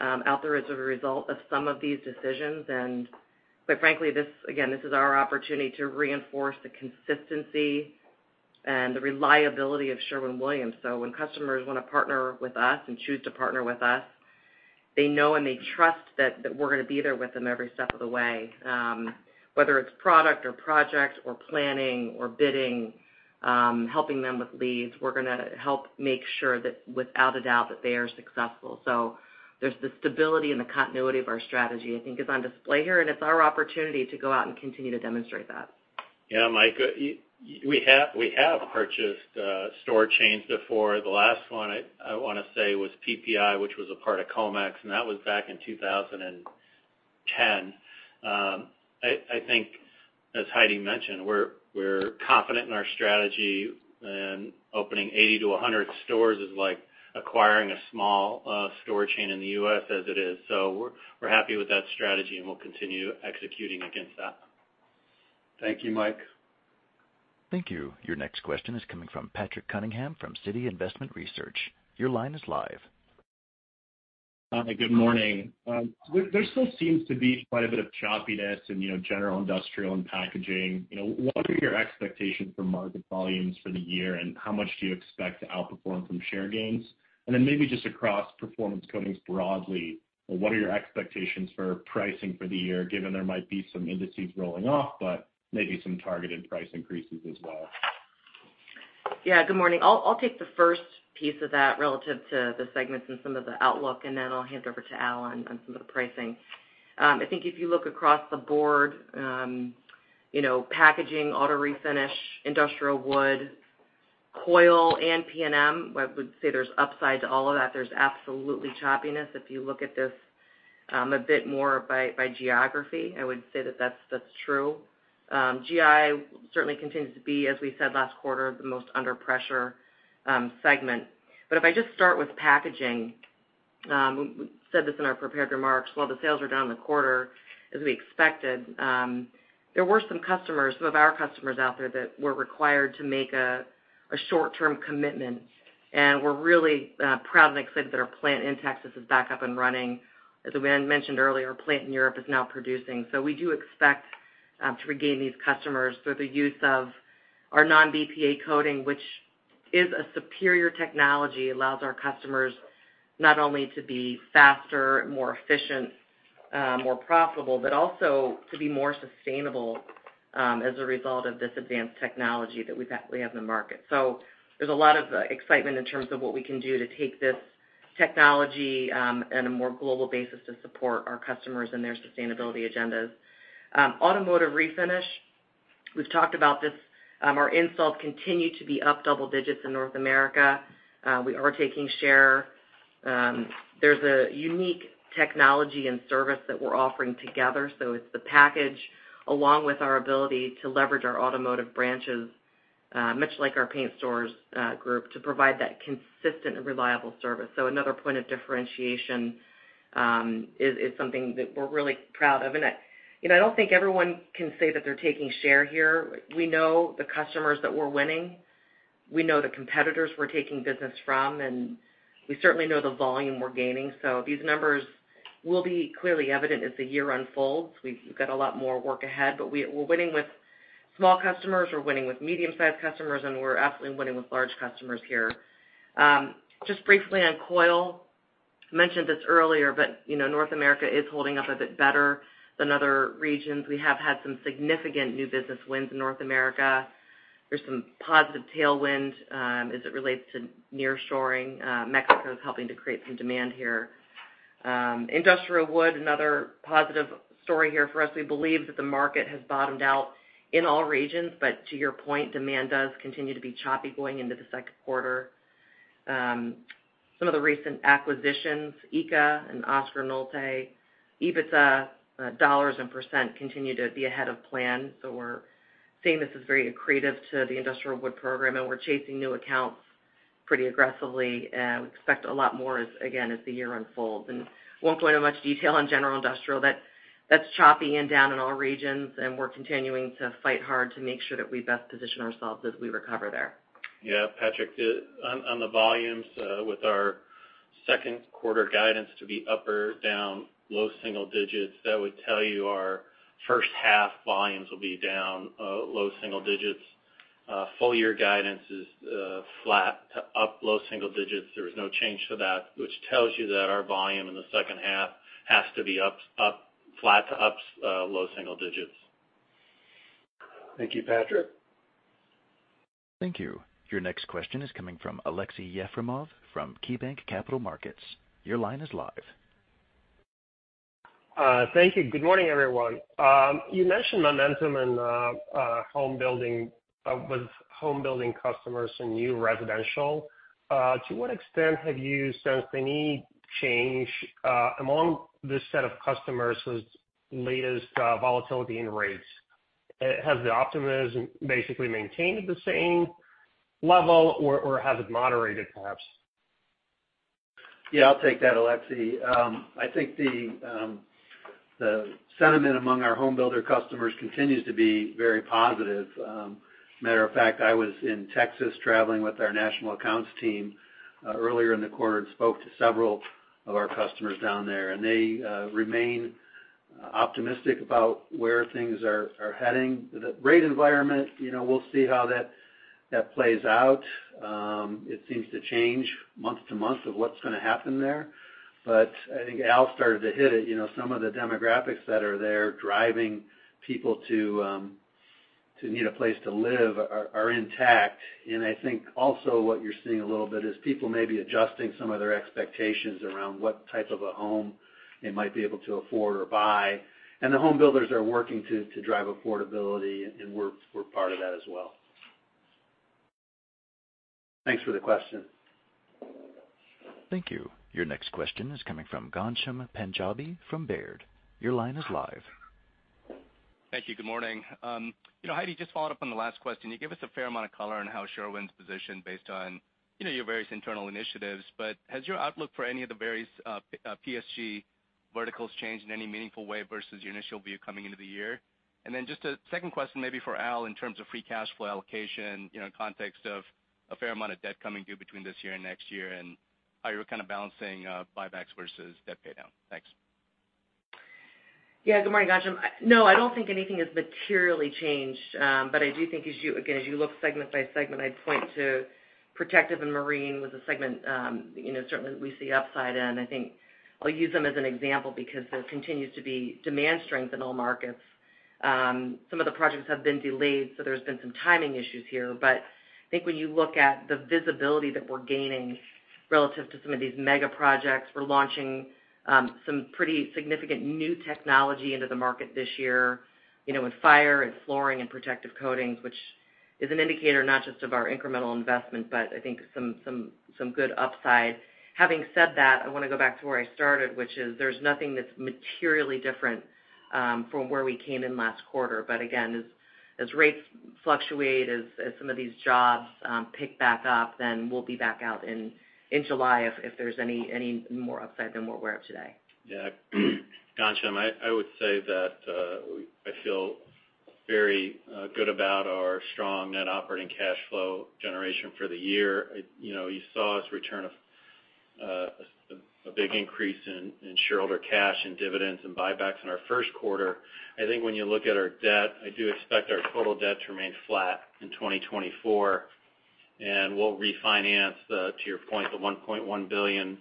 Speaker 3: out there as a result of some of these decisions. Quite frankly, again, this is our opportunity to reinforce the consistency and the reliability of Sherwin-Williams. So when customers want to partner with us and choose to partner with us, they know and they trust that we're going to be there with them every step of the way. Whether it's product or project or planning or bidding, helping them with leads, we're going to help make sure that without a doubt that they are successful. There's the stability and the continuity of our strategy, I think, is on display here. It's our opportunity to go out and continue to demonstrate that.
Speaker 5: Yeah, Mike. We have purchased store chains before. The last one, I want to say, was PPI, which was a part of Comex. And that was back in 2010. I think, as Heidi mentioned, we're confident in our strategy. And opening 80-100 stores is like acquiring a small store chain in the U.S. as it is. So we're happy with that strategy, and we'll continue executing against that.
Speaker 2: Thank you, Mike.
Speaker 1: Thank you. Your next question is coming from Patrick Cunningham from Citi. Your line is live.
Speaker 13: Hi. Good morning. There still seems to be quite a bit of choppiness in General Industrial and Packaging. What are your expectations for market volumes for the year, and how much do you expect to outperform from share gains? And then maybe just across Performance Coatings broadly, what are your expectations for pricing for the year given there might be some indices rolling off, but maybe some targeted price increases as well?
Speaker 3: Yeah. Good morning. I'll take the first piece of that relative to the segments and some of the outlook, and then I'll hand over to Allen on some of the pricing. I think if you look across the board, packaging, auto refinish, industrial wood, coil, and P&M, I would say there's upside to all of that. There's absolutely choppiness. If you look at this a bit more by geography, I would say that that's true. GI certainly continues to be, as we said last quarter, the most under pressure segment. But if I just start with packaging - we said this in our prepared remarks - while the sales were down the quarter as we expected, there were some customers, some of our customers out there, that were required to make a short-term commitment. And we're really proud and excited that our plant in Texas is back up and running. As we mentioned earlier, our plant in Europe is now producing. So we do expect to regain these customers through the use of our non-BPA coating, which is a superior technology. It allows our customers not only to be faster, more efficient, more profitable, but also to be more sustainable as a result of this advanced technology that we have in the market. So there's a lot of excitement in terms of what we can do to take this technology on a more global basis to support our customers and their sustainability agendas. Automotive refinish, we've talked about this. Our installs continue to be up double digits in North America. We are taking share. There's a unique technology and service that we're offering together. So it's the package along with our ability to leverage our automotive branches, much like our Paint Stores Group, to provide that consistent and reliable service. So another point of differentiation is something that we're really proud of. And I don't think everyone can say that they're taking share here. We know the customers that we're winning. We know the competitors we're taking business from. And we certainly know the volume we're gaining. So these numbers will be clearly evident as the year unfolds. W`e've got a lot more work ahead. But we're winning with small customers. We're winning with medium-sized customers. And we're absolutely winning with large customers here. Just briefly on coil, I mentioned this earlier, but North America is holding up a bit better than other regions. We have had some significant new business wins in North America. There's some positive tailwind as it relates to nearshoring. Mexico is helping to create some demand here. Industrial Wood, another positive story here for us. We believe that the market has bottomed out in all regions. But to your point, demand does continue to be choppy going into the second quarter. Some of the recent acquisitions, ICA and Oskar Nolte, EBITDA, dollars and percent, continue to be ahead of plan. So we're seeing this as very accretive to the Industrial Wood program. And we're chasing new accounts pretty aggressively. We expect a lot more, again, as the year unfolds. And won't go into much detail on General Industrial. That's choppy and down in all regions. And we're continuing to fight hard to make sure that we best position ourselves as we recover there.
Speaker 5: Yeah. Patrick, on the volumes, with our second quarter guidance to be upper down low single digits, that would tell you our first half volumes will be down low single digits. Full year guidance is flat to up low single digits. There was no change to that, which tells you that our volume in the second half has to be flat to up low single-digits.
Speaker 2: Thank you, Patrick.
Speaker 1: Thank you. Your next question is coming from Aleksey Yefremov from KeyBanc Capital Markets. Your line is live.
Speaker 14: Thank you. Good morning, everyone. You mentioned momentum in homebuilding customers and new residential. To what extent have you sensed any change among this set of customers with latest volatility and rates? Has the optimism basically maintained at the same level, or has it moderated perhaps?
Speaker 5: Yeah. I'll take that, Aleksey. I think the sentiment among our homebuilder customers continues to be very positive. Matter of fact, I was in Texas traveling with our national accounts team earlier in the quarter and spoke to several of our customers down there. And they remain optimistic about where things are heading. The rate environment, we'll see how that plays out. It seems to change month to month of what's going to happen there. But I think Al started to hit it. Some of the demographics that are there driving people to need a place to live are intact. And I think also what you're seeing a little bit is people may be adjusting some of their expectations around what type of a home they might be able to afford or buy. And the homebuilders are working to drive affordability. And we're part of that as well.
Speaker 2: Thanks for the question.
Speaker 1: Thank you. Your next question is coming from Ghansham Panjabi from Baird. Your line is live.
Speaker 15: Thank you. Good morning. Heidi, just following up on the last question. You gave us a fair amount of color on how Sherwin-Williams' positioned based on your various internal initiatives. But has your outlook for any of the various PSG verticals changed in any meaningful way versus your initial view coming into the year? And then just a second question maybe for Al in terms of free cash flow allocation in context of a fair amount of debt coming due between this year and next year and how you're kind of balancing buybacks versus debt paydown. Thanks.
Speaker 3: Yeah. Good morning, Ghansham. No, I don't think anything has materially changed. But I do think, again, as you look segment by segment, I'd point to Protective & Marine with the segment certainly, we see upside in. I think I'll use them as an example because there continues to be demand strength in all markets. Some of the projects have been delayed. So there's been some timing issues here. But I think when you look at the visibility that we're gaining relative to some of these mega projects, we're launching some pretty significant new technology into the market this year in fire, in flooring, and protective coatings, which is an indicator not just of our incremental investment, but I think some good upside. Having said that, I want to go back to where I started, which is there's nothing that's materially different from where we came in last quarter. But again, as rates fluctuate, as some of these jobs pick back up, then we'll be back out in July if there's any more upside than we're aware of today.
Speaker 5: Yeah. Ghansham, I would say that I feel very good about our strong net operating cash flow generation for the year. You saw us return a big increase in shareholder cash and dividends and buybacks in our first quarter. I think when you look at our debt, I do expect our total debt to remain flat in 2024. We'll refinance, to your point, the $1.1 billion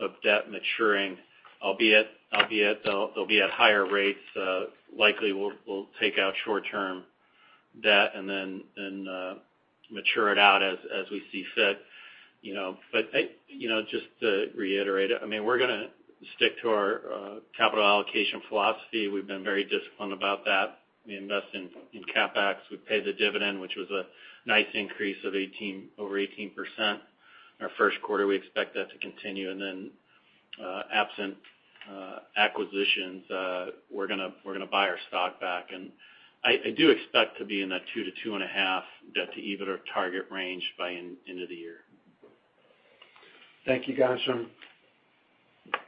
Speaker 5: of debt maturing. Albeit, they'll be at higher rates. Likely, we'll take out short-term debt and then mature it out as we see fit. But just to reiterate, I mean, we're going to stick to our capital allocation philosophy. We've been very disciplined about that. We invest in CapEx. We pay the dividend, which was a nice increase of over 18% our first quarter. We expect that to continue. And then absent acquisitions, we're going to buy our stock back. I do expect to be in that 2-2.5 debt to EBITDA target range by the end of the year.
Speaker 2: Thank you, Ghansham.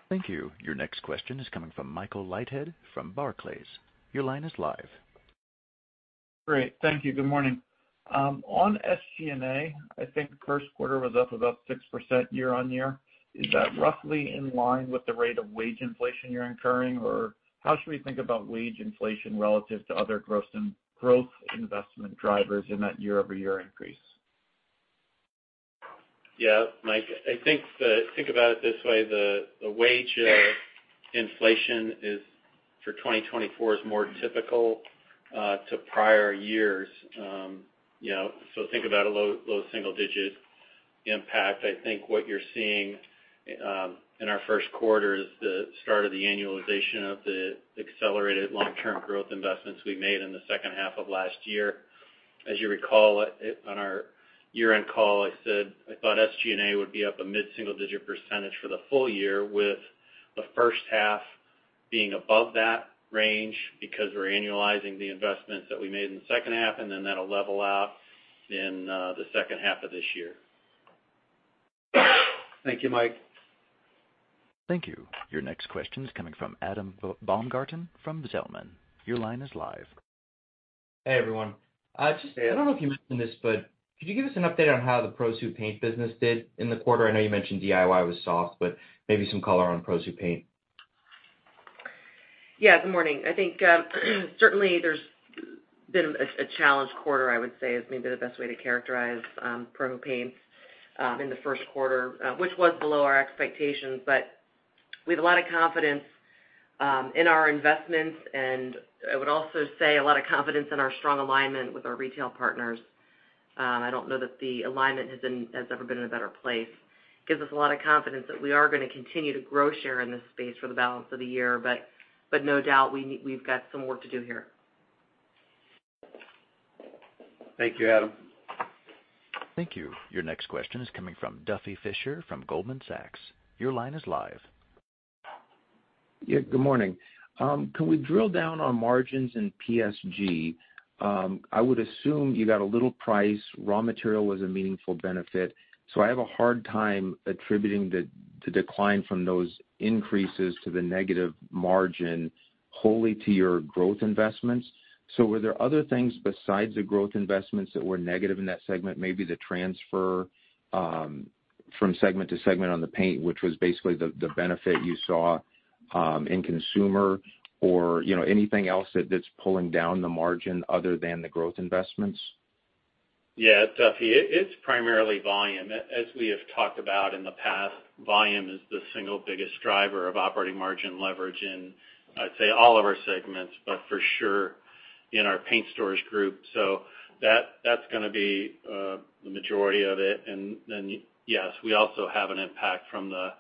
Speaker 1: Thank you. Your next question is coming from Michael Leithead from Barclays. Your line is live.
Speaker 16: Great. Thank you. Good morning. On SG&A, I think first quarter was up about 6% year-on-year. Is that roughly in line with the rate of wage inflation you're incurring? Or how should we think about wage inflation relative to other growth investment drivers in that year-over-year increase?
Speaker 5: Yeah, Mike. I think about it this way. The wage inflation for 2024 is more typical to prior years. So think about a low single-digit impact. I think what you're seeing in our first quarter is the start of the annualization of the accelerated long-term growth investments we made in the second half of last year. As you recall, on our year-end call, I thought SG&A would be up a mid-single digit % for the full-year with the first half being above that range because we're annualizing the investments that we made in the second half. And then that'll level out in the second half of this year.
Speaker 2: Thank you, Mike.
Speaker 1: Thank you. Your next question is coming from Adam Baumgarten from Zelman & Associates. Your line is live.
Speaker 17: Hey, everyone. I don't know if you mentioned this, but could you give us an update on how the PRO+ paint business did in the quarter? I know you mentioned DIY was soft, but maybe some color on PRO+ paint.
Speaker 3: Yeah. Good morning. I think certainly, there's been a challenge quarter, I would say, is maybe the best way to characterize PRO+ paints in the first quarter, which was below our expectations. But we have a lot of confidence in our investments. And I would also say a lot of confidence in our strong alignment with our retail partners. I don't know that the alignment has ever been in a better place. It gives us a lot of confidence that we are going to continue to grow share in this space for the balance of the year. But no doubt, we've got some work to do here.
Speaker 2: Thank you, Adam.
Speaker 1: Thank you. Your next question is coming from Duffy Fischer from Goldman Sachs. Your line is live.
Speaker 18: Yeah. Good morning. Can we drill down on margins and PSG? I would assume you got a little price. Raw material was a meaningful benefit. So I have a hard time attributing the decline from those increases to the negative margin wholly to your growth investments. So were there other things besides the growth investments that were negative in that segment, maybe the transfer from segment to segment on the paint, which was basically the benefit you saw in consumer, or anything else that's pulling down the margin other than the growth investments?
Speaker 5: Yeah, Duffy, it's primarily volume. As we have talked about in the past, volume is the single biggest driver of operating margin leverage in, I'd say, all of our segments, but for sure in our Paint Stores Group. So that's going to be the majority of it. And then yes, we also have an impact from the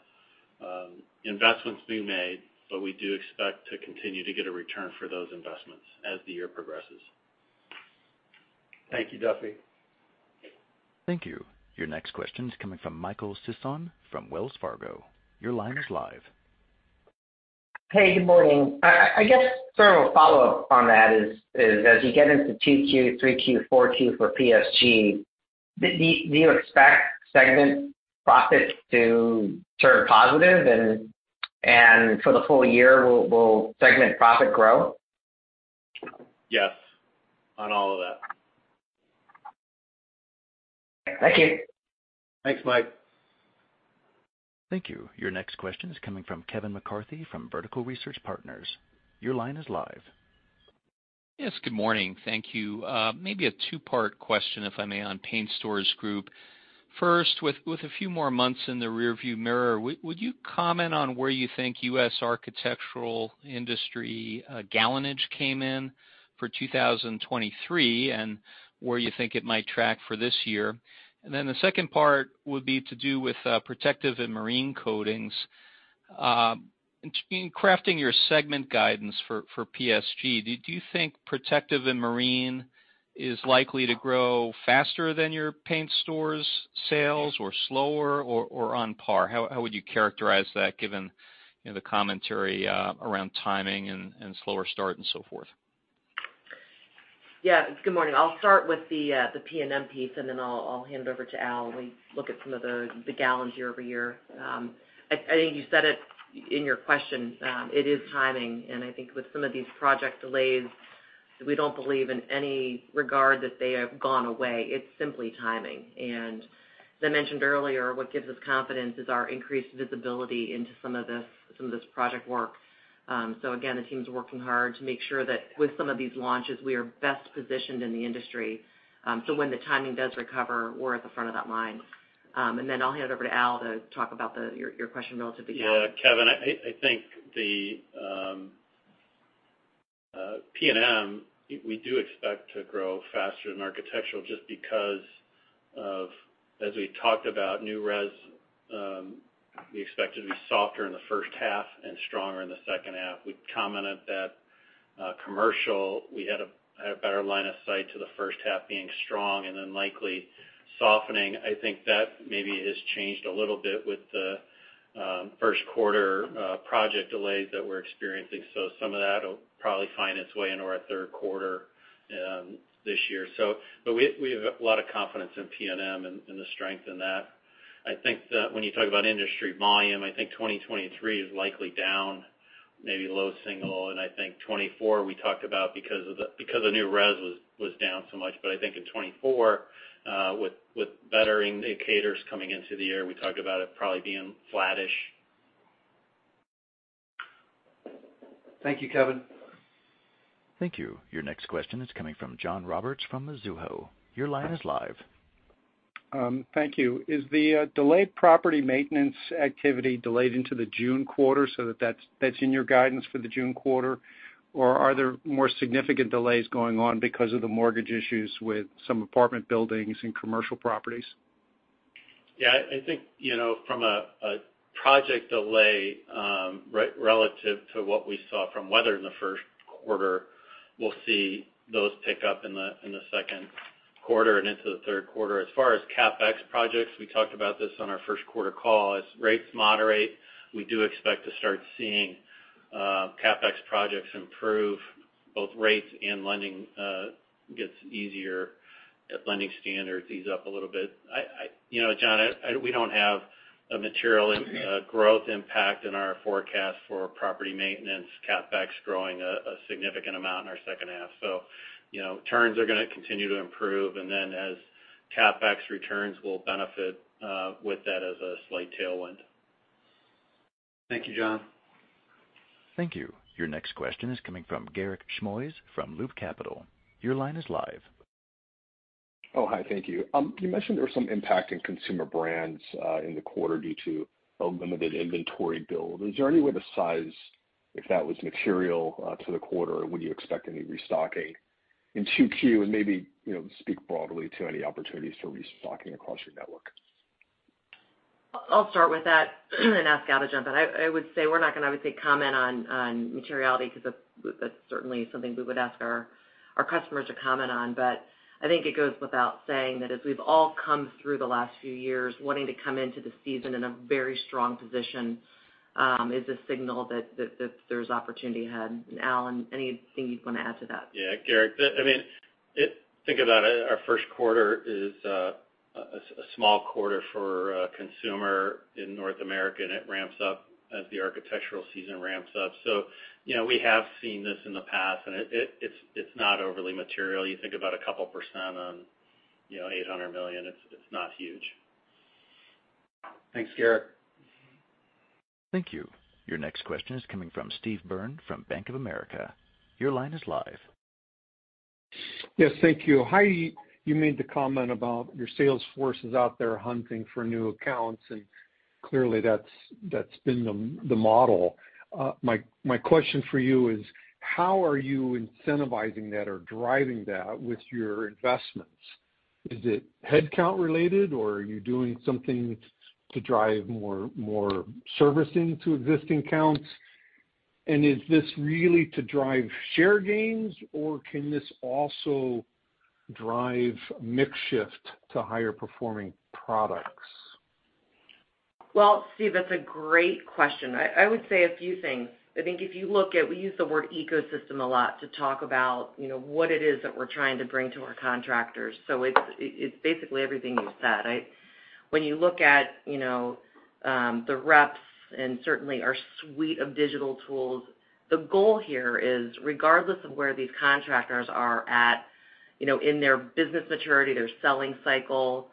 Speaker 5: investments we made. But we do expect to continue to get a return for those investments as the year progresses.
Speaker 2: Thank you, Duffy.
Speaker 1: Thank you. Your next question is coming from Michael Sison from Wells Fargo. Your line is live.
Speaker 19: Hey. Good morning. I guess sort of a follow-up on that is, as you get into 2Q, 3Q, 4Q for PSG, do you expect segment profits to turn positive? And for the full-year, will segment profit grow?
Speaker 5: Yes, on all of that.
Speaker 19: Thank you.
Speaker 2: Thanks, Mike.
Speaker 1: Thank you. Your next question is coming from Kevin McCarthy from Vertical Research Partners. Your line is live.
Speaker 20: Yes. Good morning. Thank you. Maybe a two-part question, if I may, on Paint Stores Group. First, with a few more months in the rearview mirror, would you comment on where you think U.S. architectural industry gallonage came in for 2023 and where you think it might track for this year? And then the second part would be to do with Protective & Marine coatings. In crafting your segment guidance for PSG, do you think Protective & Marine is likely to grow faster than your Paint Stores sales or slower or on par? How would you characterize that given the commentary around timing and slower start and so forth?
Speaker 3: Yeah. Good morning. I'll start with the P&M piece. And then I'll hand over to Allen. We look at some of the gallons year-over-year. I think you said it in your question. It is timing. And I think with some of these project delays, we don't believe in any regard that they have gone away. It's simply timing. And as I mentioned earlier, what gives us confidence is our increased visibility into some of this project work. So again, the team's working hard to make sure that with some of these launches, we are best positioned in the industry. So when the timing does recover, we're at the front of that line. And then I'll hand over to Allen to talk about your question regarding gallonage.
Speaker 5: Yeah. Kevin, I think the P&M, we do expect to grow faster than architectural just because of, as we talked about, new res, we expect it to be softer in the first half and stronger in the second half. We commented that commercial, we had a better line of sight to the first half being strong and then likely softening. I think that maybe has changed a little bit with the first quarter project delays that we're experiencing. So some of that will probably find its way into our third quarter this year. But we have a lot of confidence in P&M and the strength in that. I think that when you talk about industry volume, I think 2023 is likely down, maybe low single. And I think 2024, we talked about because the new res was down so much. But I think in 2024, with better indicators coming into the year, we talked about it probably being flattish.
Speaker 2: Thank you, Kevin.
Speaker 1: Thank you. Your next question is coming from John Roberts from Mizuho. Your line is live.
Speaker 21: Thank you. Is the delayed property maintenance activity delayed into the June quarter so that that's in your guidance for the June quarter? Or are there more significant delays going on because of the mortgage issues with some apartment buildings and commercial properties?
Speaker 5: Yeah. I think from a project delay relative to what we saw from weather in the first quarter, we'll see those pick up in the second quarter and into the third quarter. As far as CapEx projects, we talked about this on our first quarter call. As rates moderate, we do expect to start seeing CapEx projects improve. Both rates and lending gets easier. Lending standards ease up a little bit. John, we don't have a material growth impact in our forecast for property maintenance, CapEx growing a significant amount in our second half. So turns are going to continue to improve. And then as CapEx returns, we'll benefit with that as a slight tailwind.
Speaker 2: Thank you, John.
Speaker 1: Thank you. Your next question is coming from Garik Shmois from Loop Capital Markets. Your line is live.
Speaker 22: Oh, hi. Thank you. You mentioned there was some impact in Consumer Brands in the quarter due to a limited inventory build. Is there any way to size, if that as material to the quarter, would you expect any restocking in 2Q and maybe speak broadly to any opportunities for restocking across your network?
Speaker 3: I'll start with that and ask Allen to jump in. I would say we're not going to, I would say, comment on materiality because that's certainly something we would ask our customers to comment on. But I think it goes without saying that as we've all come through the last few years, wanting to come into the season in a very strong position is a signal that there's opportunity ahead. And Allen, anything you'd want to add to that?
Speaker 5: Yeah. Garik, I mean, think about it. Our first quarter is a small quarter for consumer in North America. And it ramps up as the architectural season ramps up. So we have seen this in the past. And it's not overly material. You think about a couple% on $800 million. It's not huge.
Speaker 2: Thanks, Garik.
Speaker 1: Thank you. Your next question is coming from Steve Byrne from Bank of America. Your line is live.
Speaker 23: Yes. Thank you. Heidi, you made the comment about your sales force is out there hunting for new accounts. And clearly, that's been the model. My question for you is, how are you incentivizing that or driving that with your investments? Is it headcount-related? Or are you doing something to drive more servicing to existing accounts? And is this really to drive share gains? Or can this also drive a mix shift to higher-performing products?
Speaker 3: Well, Steve, that's a great question. I would say a few things. I think if you look at we use the word ecosystem a lot to talk about what it is that we're trying to bring to our contractors. So it's basically everything you said. When you look at the reps and certainly our suite of digital tools, the goal here is, regardless of where these contractors are at in their business maturity, their selling cycle,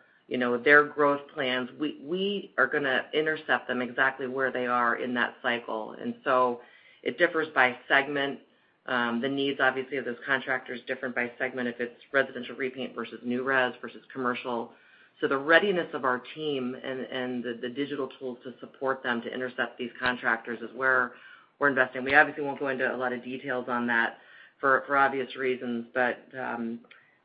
Speaker 3: their growth plans, we are going to intercept them exactly where they are in that cycle. And so it differs by segment. The needs, obviously, of those contractors differ by segment if it's residential repaint versus new res versus commercial. So the readiness of our team and the digital tools to support them to intercept these contractors is where we're investing. We obviously won't go into a lot of details on that for obvious reasons. But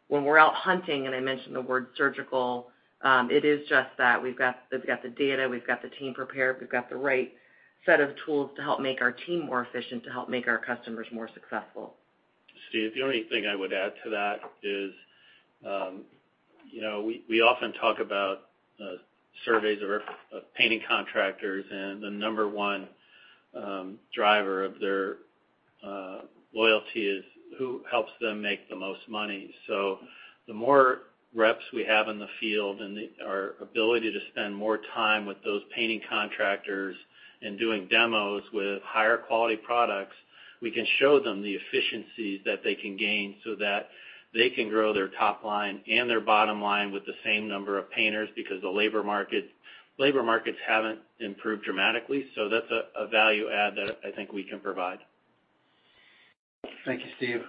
Speaker 3: when we're out hunting and I mentioned the word surgical, it is just that we've got the data. We've got the team prepared. We've got the right set of tools to help make our team more efficient, to help make our customers more successful.
Speaker 5: Steve, the only thing I would add to that is we often talk about surveys of painting contractors. The number one driver of their loyalty is who helps them make the most money. The more reps we have in the field and our ability to spend more time with those painting contractors and doing demos with higher-quality products, we can show them the efficiencies that they can gain so that they can grow their top line and their bottom line with the same number of painters because the labor markets haven't improved dramatically. That's a value add that I think we can provide.
Speaker 2: Thank you, Steve.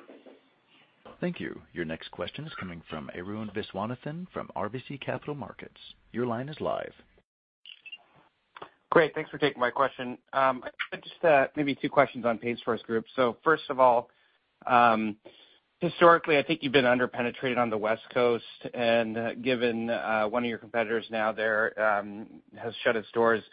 Speaker 1: Thank you. Your next question is coming from Arun Viswanathan from RBC Capital Markets. Your line is live.
Speaker 24: Great. Thanks for taking my question. Just maybe two questions on Paint Stores Group. So first of all, historically, I think you've been underpenetrated on the West Coast. And given one of your competitors now, they has shut its doors,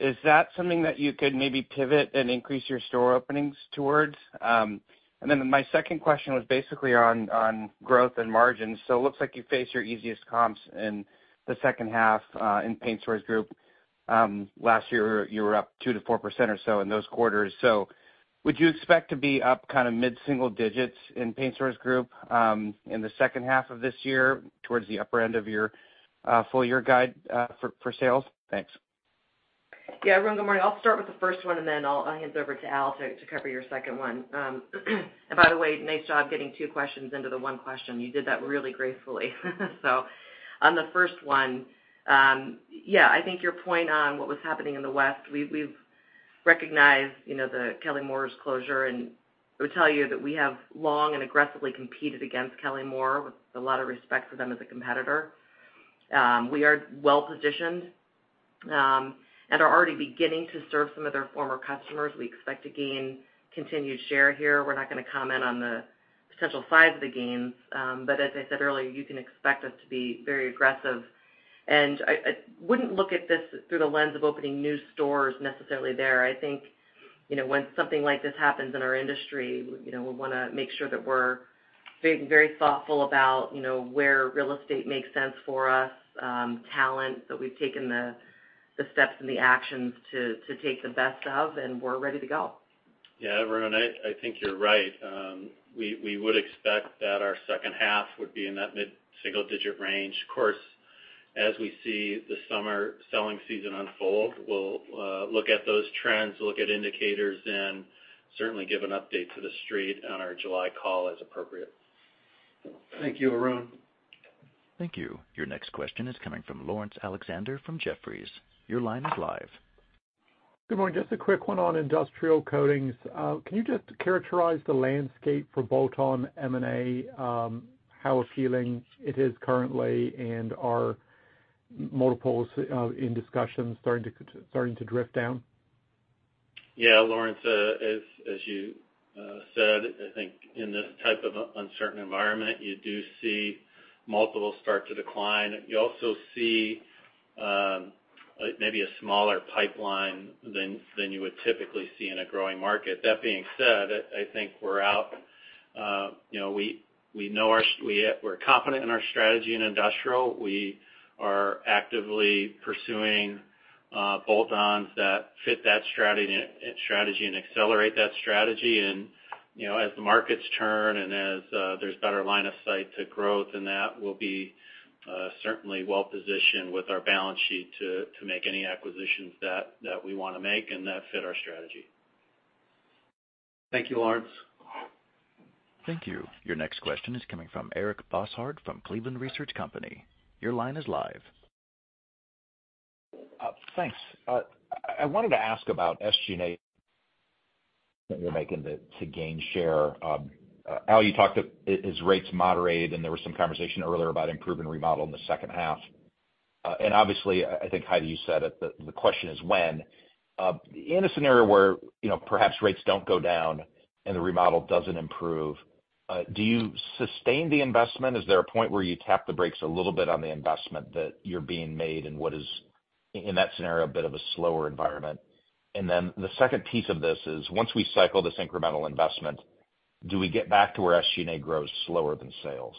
Speaker 24: is that something that you could maybe pivot and increase your store openings towards? And then my second question was basically on growth and margins. So it looks like you face your easiest comps in the second half in Paint Stores Group. Last year, you were up 2%-4% or so in those quarters. So would you expect to be up kind of mid-single-digits in Paint Stores Group in the second half of this year towards the upper end of your full-year guide for sales? Thanks.
Speaker 3: Yeah. Arun, good morning. I'll start with the first one. And then I'll hand over to Allen to cover your second one. And by the way, nice job getting two questions into the one question. You did that really gracefully. So on the first one, yeah, I think your point on what was happening in the West, we've recognized the Kelly-Moore's closure. And I would tell you that we have long and aggressively competed against Kelly-Moore with a lot of respect for them as a competitor. We are well-positioned and are already beginning to serve some of their former customers. We expect to gain continued share here. We're not going to comment on the potential size of the gains. But as I said earlier, you can expect us to be very aggressive. And I wouldn't look at this through the lens of opening new stores necessarily there. I think when something like this happens in our industry, we want to make sure that we're being very thoughtful about where real estate makes sense for us, talent that we've taken the steps and the actions to take the best of. We're ready to go.
Speaker 5: Yeah. Arun, I think you're right. We would expect that our second half would be in that mid-single-digit range. Of course, as we see the summer selling season unfold, we'll look at those trends, look at indicators, and certainly give an update to the street on our July call as appropriate.
Speaker 2: Thank you, Arun.
Speaker 1: Thank you. Your next question is coming from Laurence Alexander from Jefferies. Your line is live.
Speaker 25: Good morning. Just a quick one on industrial coatings. Can you just characterize the landscape for bolt-on M&A, how appealing it is currently? And are multiples in discussion starting to drift down?
Speaker 5: Yeah. Laurence, as you said, I think in this type of uncertain environment, you do see multiples start to decline. You also see maybe a smaller pipeline than you would typically see in a growing market. That being said, I think we're out. We know we're competent in our strategy in industrial. We are actively pursuing bolt-ons that fit that strategy and accelerate that strategy. And as the markets turn and as there's better line of sight to growth, and that will be certainly well-positioned with our balance sheet to make any acquisitions that we want to make and that fit our strategy.
Speaker 2: Thank you, Laurence.
Speaker 1: Thank you. Your next question is coming from Eric Bosshard from Cleveland Research Company. Your line is live.
Speaker 26: Thanks. I wanted to ask about SG&A that you're making to gain share. Allen, you talked to is rates moderated? And there was some conversation earlier about improving remodel in the second half. And obviously, I think, Heidi, you said it. The question is when. In a scenario where perhaps rates don't go down and the remodel doesn't improve, do you sustain the investment? Is there a point where you tap the brakes a little bit on the investment that you're making? And what is, in that scenario, a bit of a slower environment? And then the second piece of this is, once we cycle this incremental investment, do we get back to where SG&A grows slower than sales?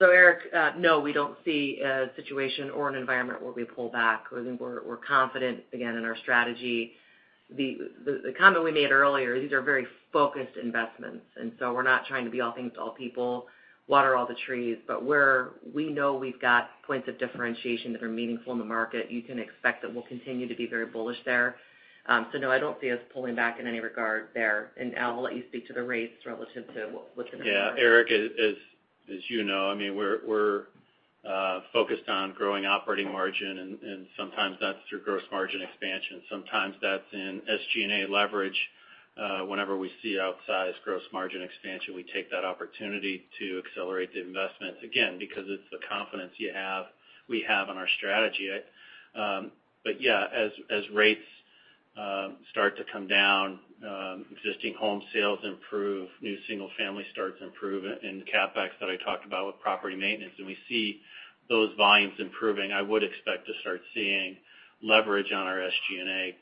Speaker 3: So Eric, no, we don't see a situation or an environment where we pull back. I think we're confident, again, in our strategy. The comment we made earlier, these are very focused investments. And so we're not trying to be all things to all people, water all the trees. But we know we've got points of differentiation that are meaningful in the market. You can expect that we'll continue to be very bullish there. So no, I don't see us pulling back in any regard there. And Allen, I'll let you speak to the rates relative to what's going to happen.
Speaker 5: Yeah. Eric, as you know, I mean, we're focused on growing operating margin. Sometimes that's through gross margin expansion. Sometimes that's in SG&A leverage. Whenever we see outsized gross margin expansion, we take that opportunity to accelerate the investments, again, because it's the confidence we have in our strategy. But yeah, as rates start to come down, existing home sales improve, new single-family starts improve, and the CapEx that I talked about with property maintenance. And we see those volumes improving, I would expect to start seeing leverage on our SG&A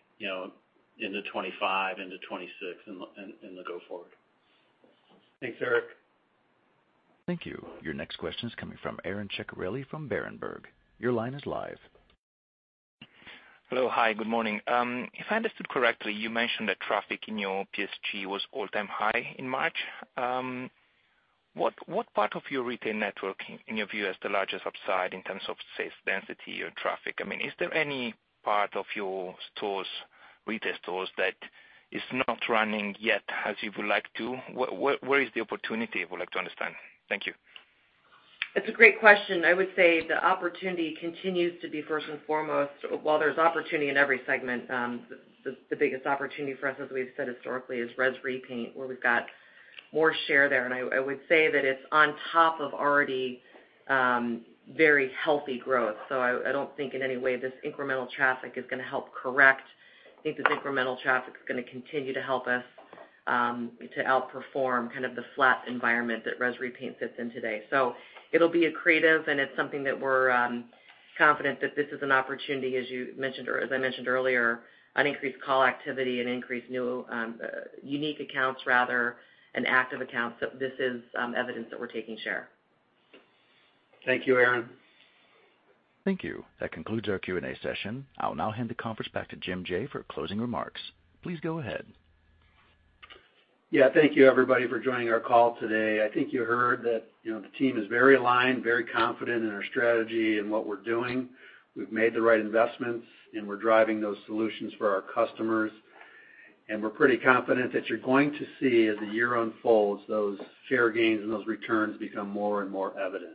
Speaker 5: into 2025, into 2026, and the go-forward.
Speaker 2: Thanks, Eric.
Speaker 1: Thank you. Your next question is coming from Aron Ceccarelli from Berenberg. Your line is live.
Speaker 27: Hello. Hi. Good morning. If I understood correctly, you mentioned that traffic in your PSG was all-time high in March. What part of your retail network, in your view, has the largest upside in terms of sales density or traffic? I mean, is there any part of your retail stores that is not running yet as you would like to? Where is the opportunity, if you would like to understand? Thank you.
Speaker 3: It's a great question. I would say the opportunity continues to be first and foremost. While there's opportunity in every segment, the biggest opportunity for us, as we've said historically, is Res Repaint where we've got more share there. I would say that it's on top of already very healthy growth. I don't think in any way this incremental traffic is going to be corrective. I think this incremental traffic is going to continue to help us to outperform kind of the flat environment that Res Repaint sits in today. It'll be accretive. It's something that we're confident that this is an opportunity, as you mentioned or as I mentioned earlier, on increased call activity and increased new unique accounts, rather, and active accounts. This is evidence that we're taking share.
Speaker 2: Thank you, Aron.
Speaker 1: Thank you. That concludes our Q&A session. I'll now hand the conference back to Jim Jaye for closing remarks. Please go ahead.
Speaker 2: Yeah. Thank you, everybody, for joining our call today. I think you heard that the team is very aligned, very confident in our strategy and what we're doing. We've made the right investments. We're driving those solutions for our customers. We're pretty confident that you're going to see, as the year unfolds, those share gains and those returns become more and more evident.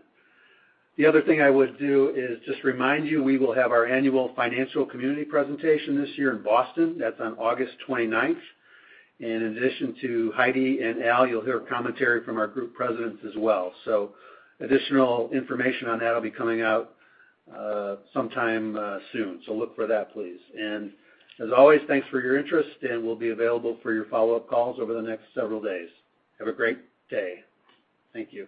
Speaker 2: The other thing I would do is just remind you we will have our annual financial community presentation this year in Boston. That's on August 29th. In addition to Heidi and Al, you'll hear commentary from our group presidents as well. Additional information on that will be coming out sometime soon. Look for that, please. As always, thanks for your interest. We'll be available for your follow-up calls over the next several days. Have a great day. Thank you.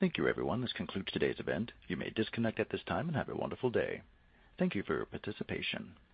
Speaker 1: Thank you, everyone. This concludes today's event. You may disconnect at this time and have a wonderful day. Thank you for your participation.